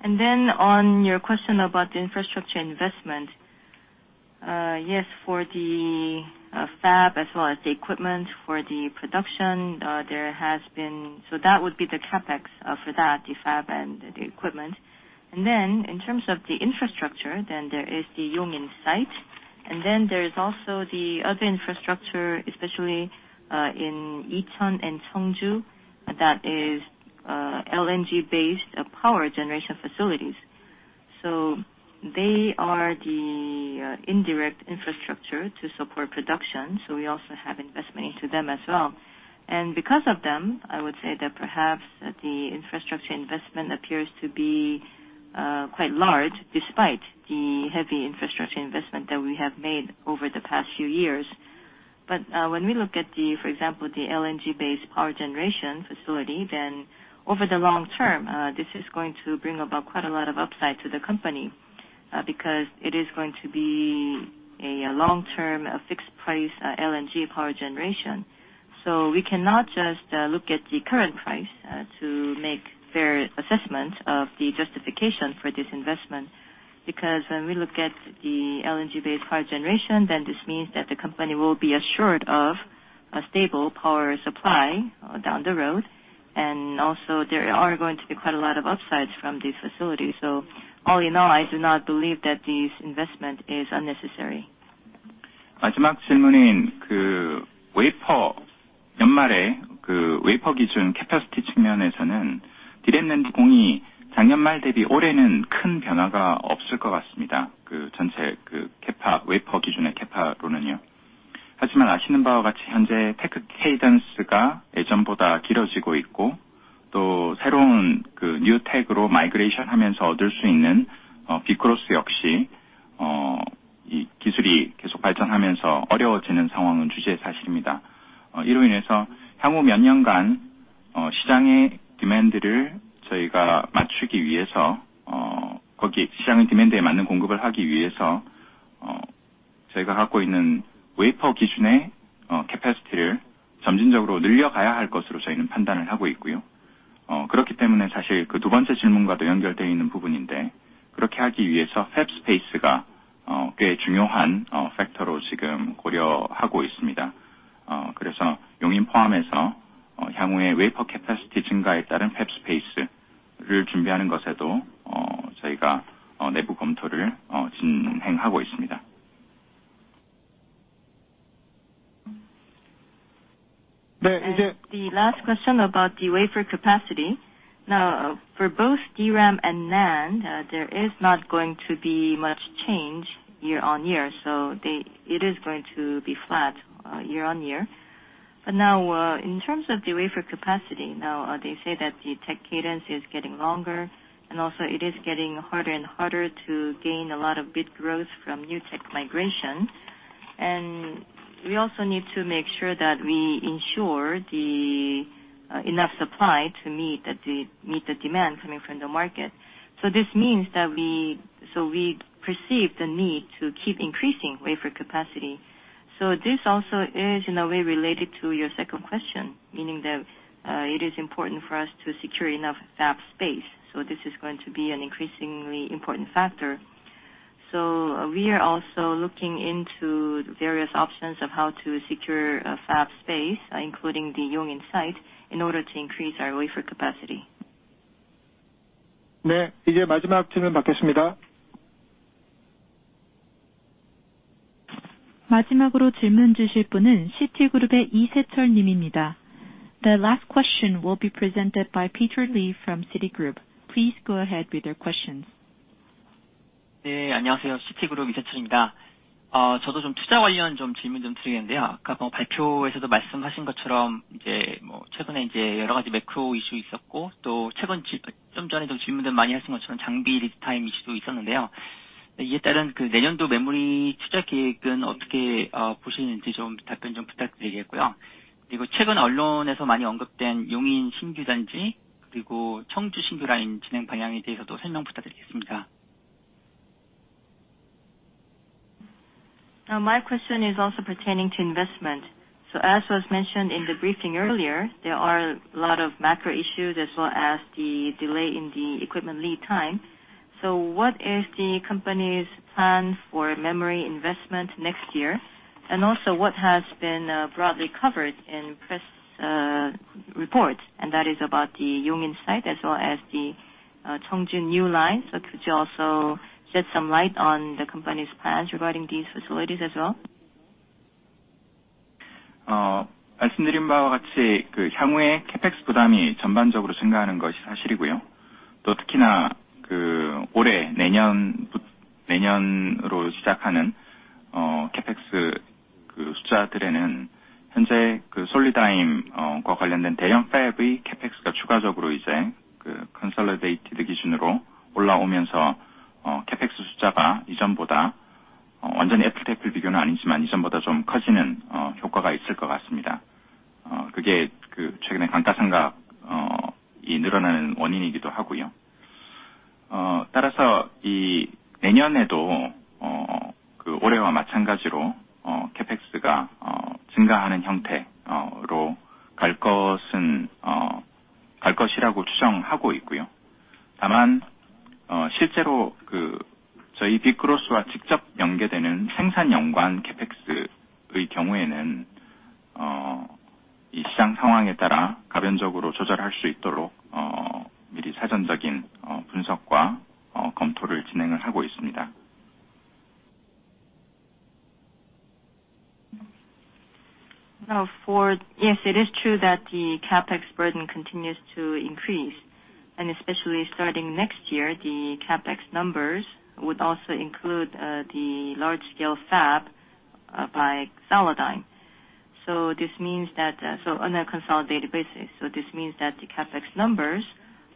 and also the equipment being moved in. When we look at the investment, so in terms of the CapEx, based on the equipment, the time of the equipment move in, then that would be KRW 4 trillion of CapEx in the first quarter. On your question about the infrastructure investment. Yes, for the fab as well as the equipment for the production, that would be the CapEx for that, the fab and the equipment. In terms of the infrastructure, there is the Yongin site, and there is also the other infrastructure, especially in Icheon and Cheongju that is LNG-based power generation facilities. They are the indirect infrastructure to support production. We also have investment into them as well. Because of them, I would say that perhaps the infrastructure investment appears to be quite large despite the heavy infrastructure investment that we have made over the past few years. When we look at, for example, the LNG-based power generation facility, then over the long-term, this is going to bring about quite a lot of upside to the company. Because it is going to be a long-term fixed price LNG power generation. We cannot just look at the current price to make fair assessment of the justification for this investment. Because when we look at the LNG-based power generation, then this means that the company will be assured of a stable power supply down the road. Also there are going to be quite a lot of upsides from this facility. All in all, I do not believe that this investment is unnecessary. The last question about the wafer capacity. Now for both DRAM and NAND, there is not going to be much change year-on-year, so it is going to be flat year-on-year. Now, in terms of the wafer capacity, they say that the tech cadence is getting longer, and also it is getting harder and harder to gain a lot of bit growth from new tech migration. We also need to make sure that we ensure enough supply to meet the demand coming from the market. This means that we perceive the need to keep increasing wafer capacity. This also is in a way related to your second question, meaning that it is important for us to secure enough fab space. This is going to be an increasingly important factor. We are also looking into various options of how to secure fab space, including the Yongin site, in order to increase our wafer capacity. The last question will be presented by Peter Lee from Citigroup. Please go ahead with your questions. Now my question is also pertaining to investment. As was mentioned in the briefing earlier, there are a lot of macro issues as well as the delay in the equipment lead time. What is the company's plan for memory investment next year? And also what has been broadly covered in press reports, and that is about the Yongin site as well as the Cheongju new line. Could you also shed some light on the company's plans regarding these facilities as well? Yes, it is true that the CapEx burden continues to increase. Especially starting next year, the CapEx numbers would also include the large-scale fab by Solidigm. This means that on a consolidated basis. This means that the CapEx numbers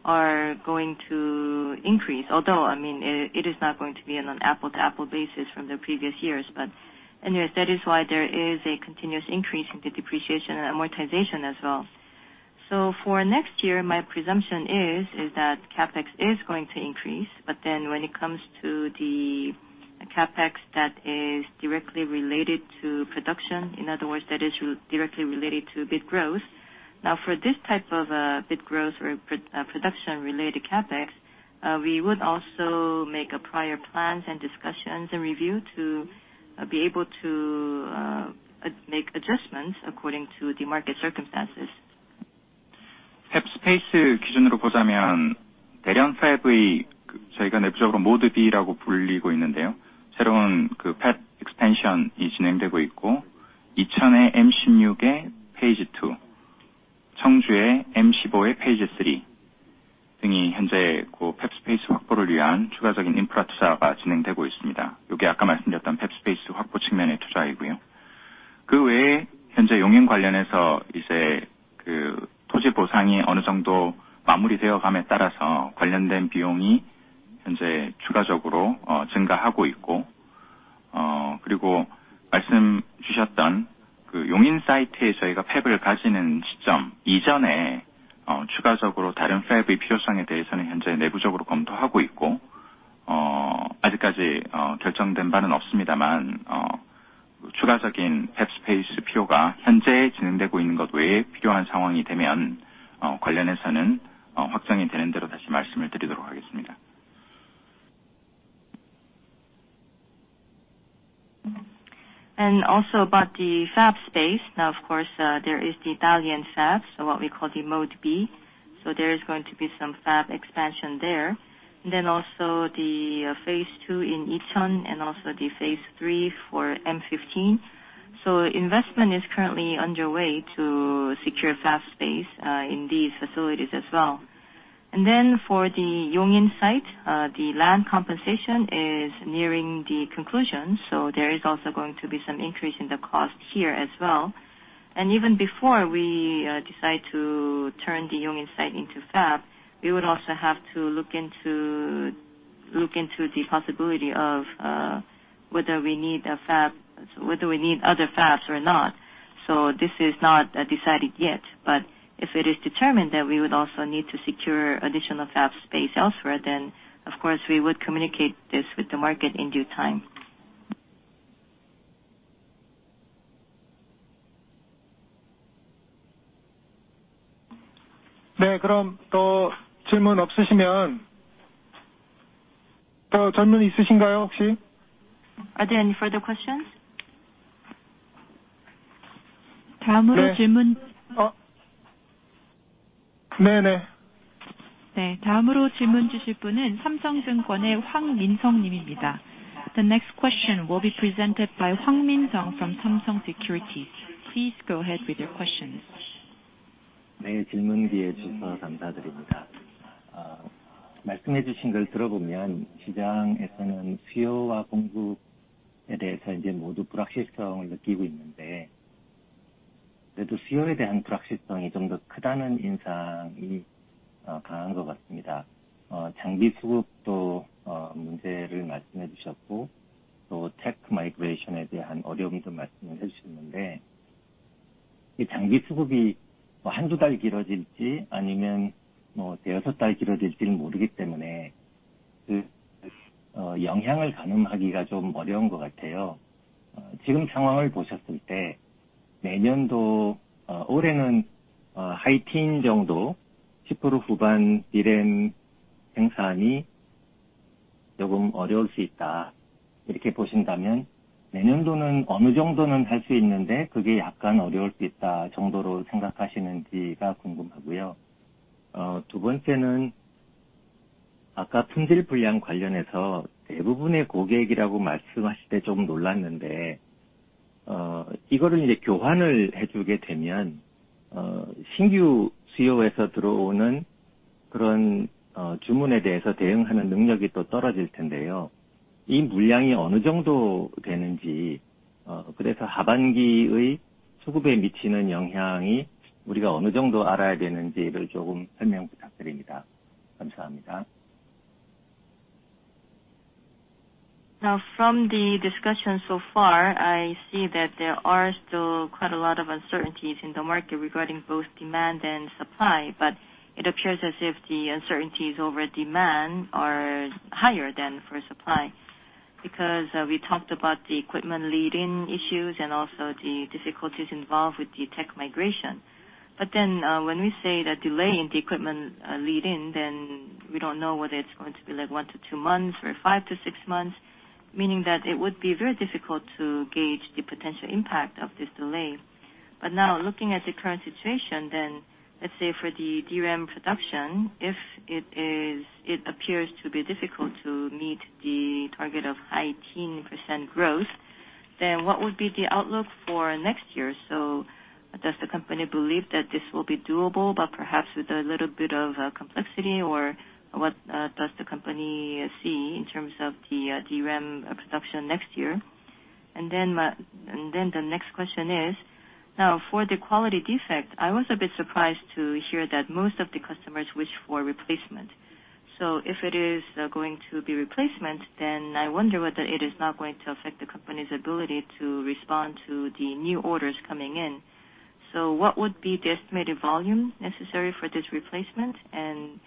are going to increase. Although, I mean, it is not going to be on an apples-to-apples basis from the previous years. Anyways, that is why there is a continuous increase in the depreciation and amortization as well. For next year, my presumption is that CapEx is going to increase. Then when it comes to the CapEx that is directly related to production, in other words that is directly related to bit growth. Now for this type of bit growth or production related CapEx, we would also make a prior plans and discussions and review to be able to make adjustments according to the market circumstances. Also about the fab space. Now of course, there is the Dalian fab, so what we call the mode B. There is going to be some fab expansion there. Also the Phase 2 in Icheon and also the Phase 3 for M15. Investment is currently underway to secure fab space in these facilities as well. For the Yongin site, the land compensation is nearing the conclusion. There is also going to be some increase in the cost here as well. Even before we decide to turn the Yongin site into fab, we would also have to look into the possibility of whether we need a fab, whether we need other fabs or not. This is not decided yet, but if it is determined that we would also need to secure additional fab space elsewhere, then of course we would communicate this with the market in due time. Are there any further questions? The next question will be presented by Hwang Min Seong from Samsung Securities. Please go ahead with your question. From the discussion so far, I see that there are still quite a lot of uncertainties in the market regarding both demand and supply, but it appears as if the uncertainties over demand are higher than for supply because we talked about the equipment lead-in issues and also the difficulties involved with the tech migration. When we say that delay in the equipment lead-in, then we don't know whether it's going to be like one to two months or five to six months, meaning that it would be very difficult to gauge the potential impact of this delay. Looking at the current situation, let's say for the DRAM production, if it appears to be difficult to meet the target of high-teens percent growth, then what would be the outlook for next year? Does the company believe that this will be doable but perhaps with a little bit of complexity? Or what does the company see in terms of the DRAM production next year? The next question is now for the quality defect. I was a bit surprised to hear that most of the customers wish for replacement. If it is going to be replacement, then I wonder whether it is not going to affect the company's ability to respond to the new orders coming in. What would be the estimated volume necessary for this replacement? And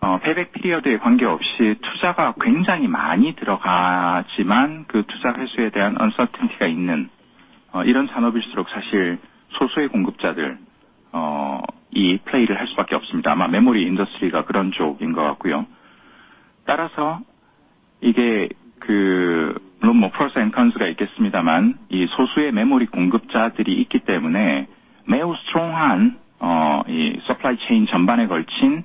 does the company believe that this is going to in any way affect the demand and supply situation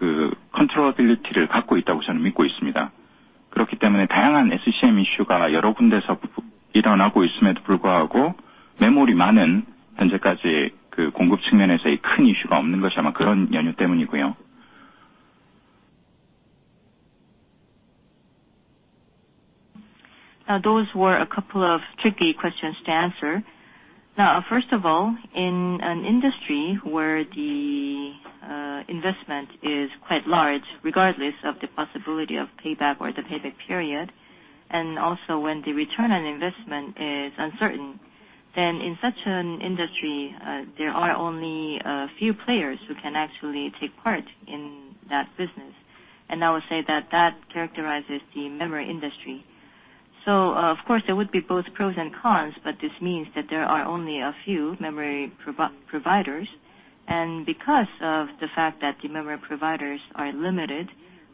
in the second half? Now, those were a couple of tricky questions to answer. Now, first of all, in an industry where the investment is quite large, regardless of the possibility of payback or the payback period, and also when the return on investment is uncertain, then in such an industry, there are only a few players who can actually take part in that business. I would say that that characterizes the memory industry. Of course there would be both pros and cons, but this means that there are only a few memory providers. Because of the fact that the memory providers are limited,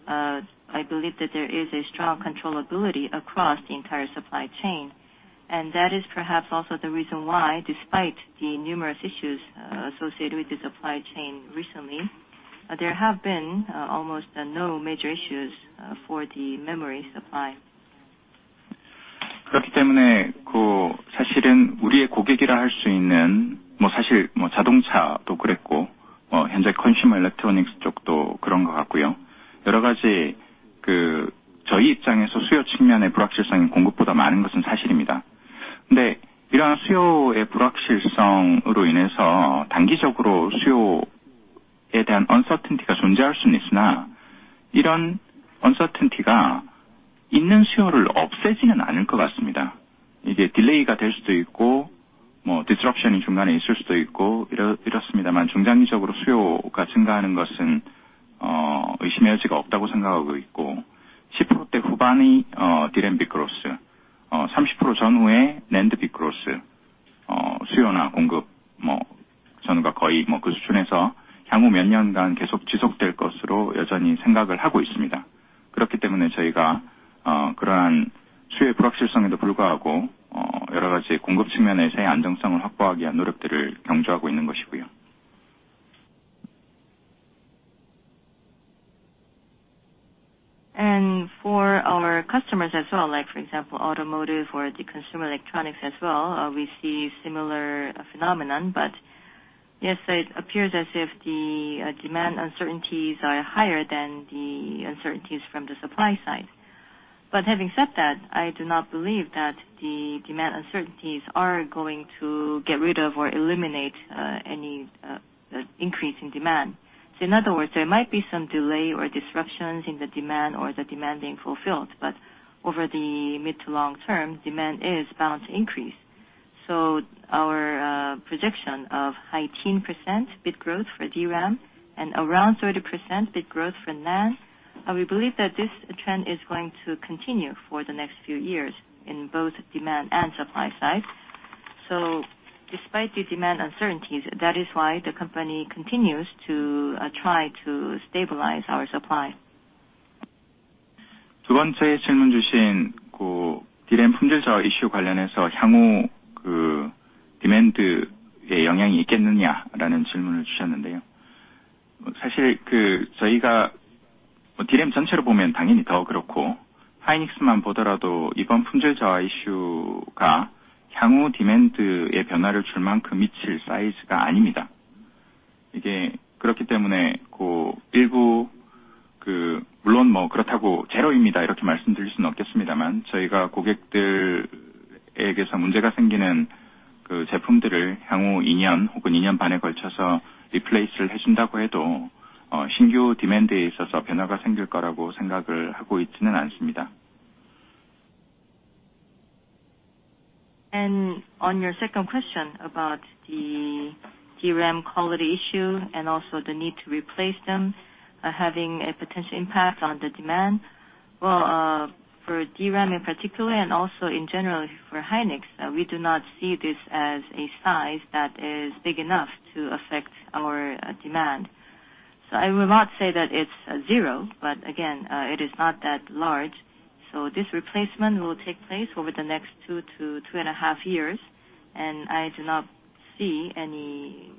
I believe that there is a strong controllability across the entire supply chain. That is perhaps also the reason why despite the numerous issues associated with the supply chain recently, there have been almost no major issues for the memory supply. For our customers as well, like for example, automotive or the consumer electronics as well, we see similar phenomenon. Yes, it appears as if the demand uncertainties are higher than the uncertainties from the supply side. Having said that, I do not believe that the demand uncertainties are going to get rid of or eliminate any increase in demand. In other words, there might be some delay or disruptions in the demand or the demand being fulfilled, but over the mid to long term, demand is bound to increase. Our projection of high-teens percent bit growth for DRAM and around 30% bit growth for NAND, we believe that this trend is going to continue for the next few years in both demand and supply sides. Despite the demand uncertainties, that is why the company continues to try to stabilize our supply. On your second question about the DRAM quality issue and also the need to replace them, having a potential impact on the demand. Well, for DRAM in particular and also in general for SK hynix, we do not see this as an issue that is big enough to affect our demand. I will not say that it's zero, but again, it is not that large. This replacement will take place over the next two to two and a half years, and I do not see any,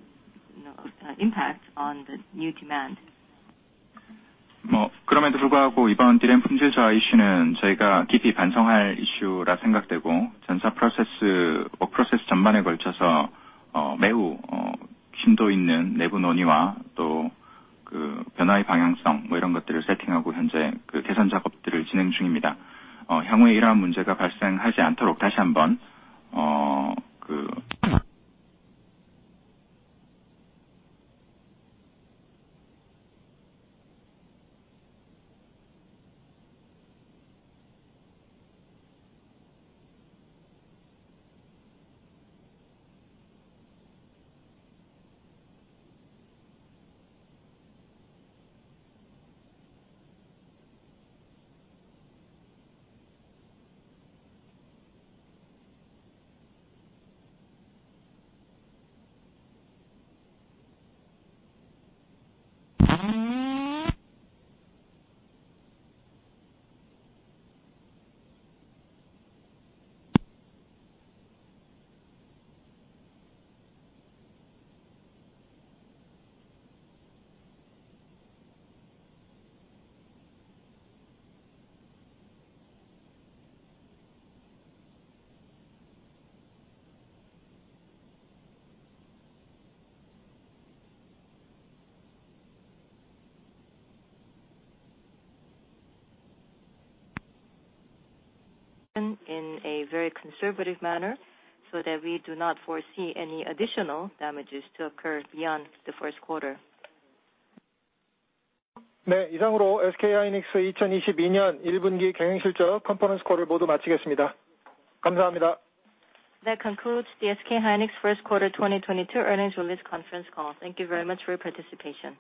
you know, impact on the new demand. In a very conservative manner so that we do not foresee any additional damages to occur beyond the first quarter. That concludes the SK hynix first quarter 2022 earnings release conference call. Thank you very much for your participation.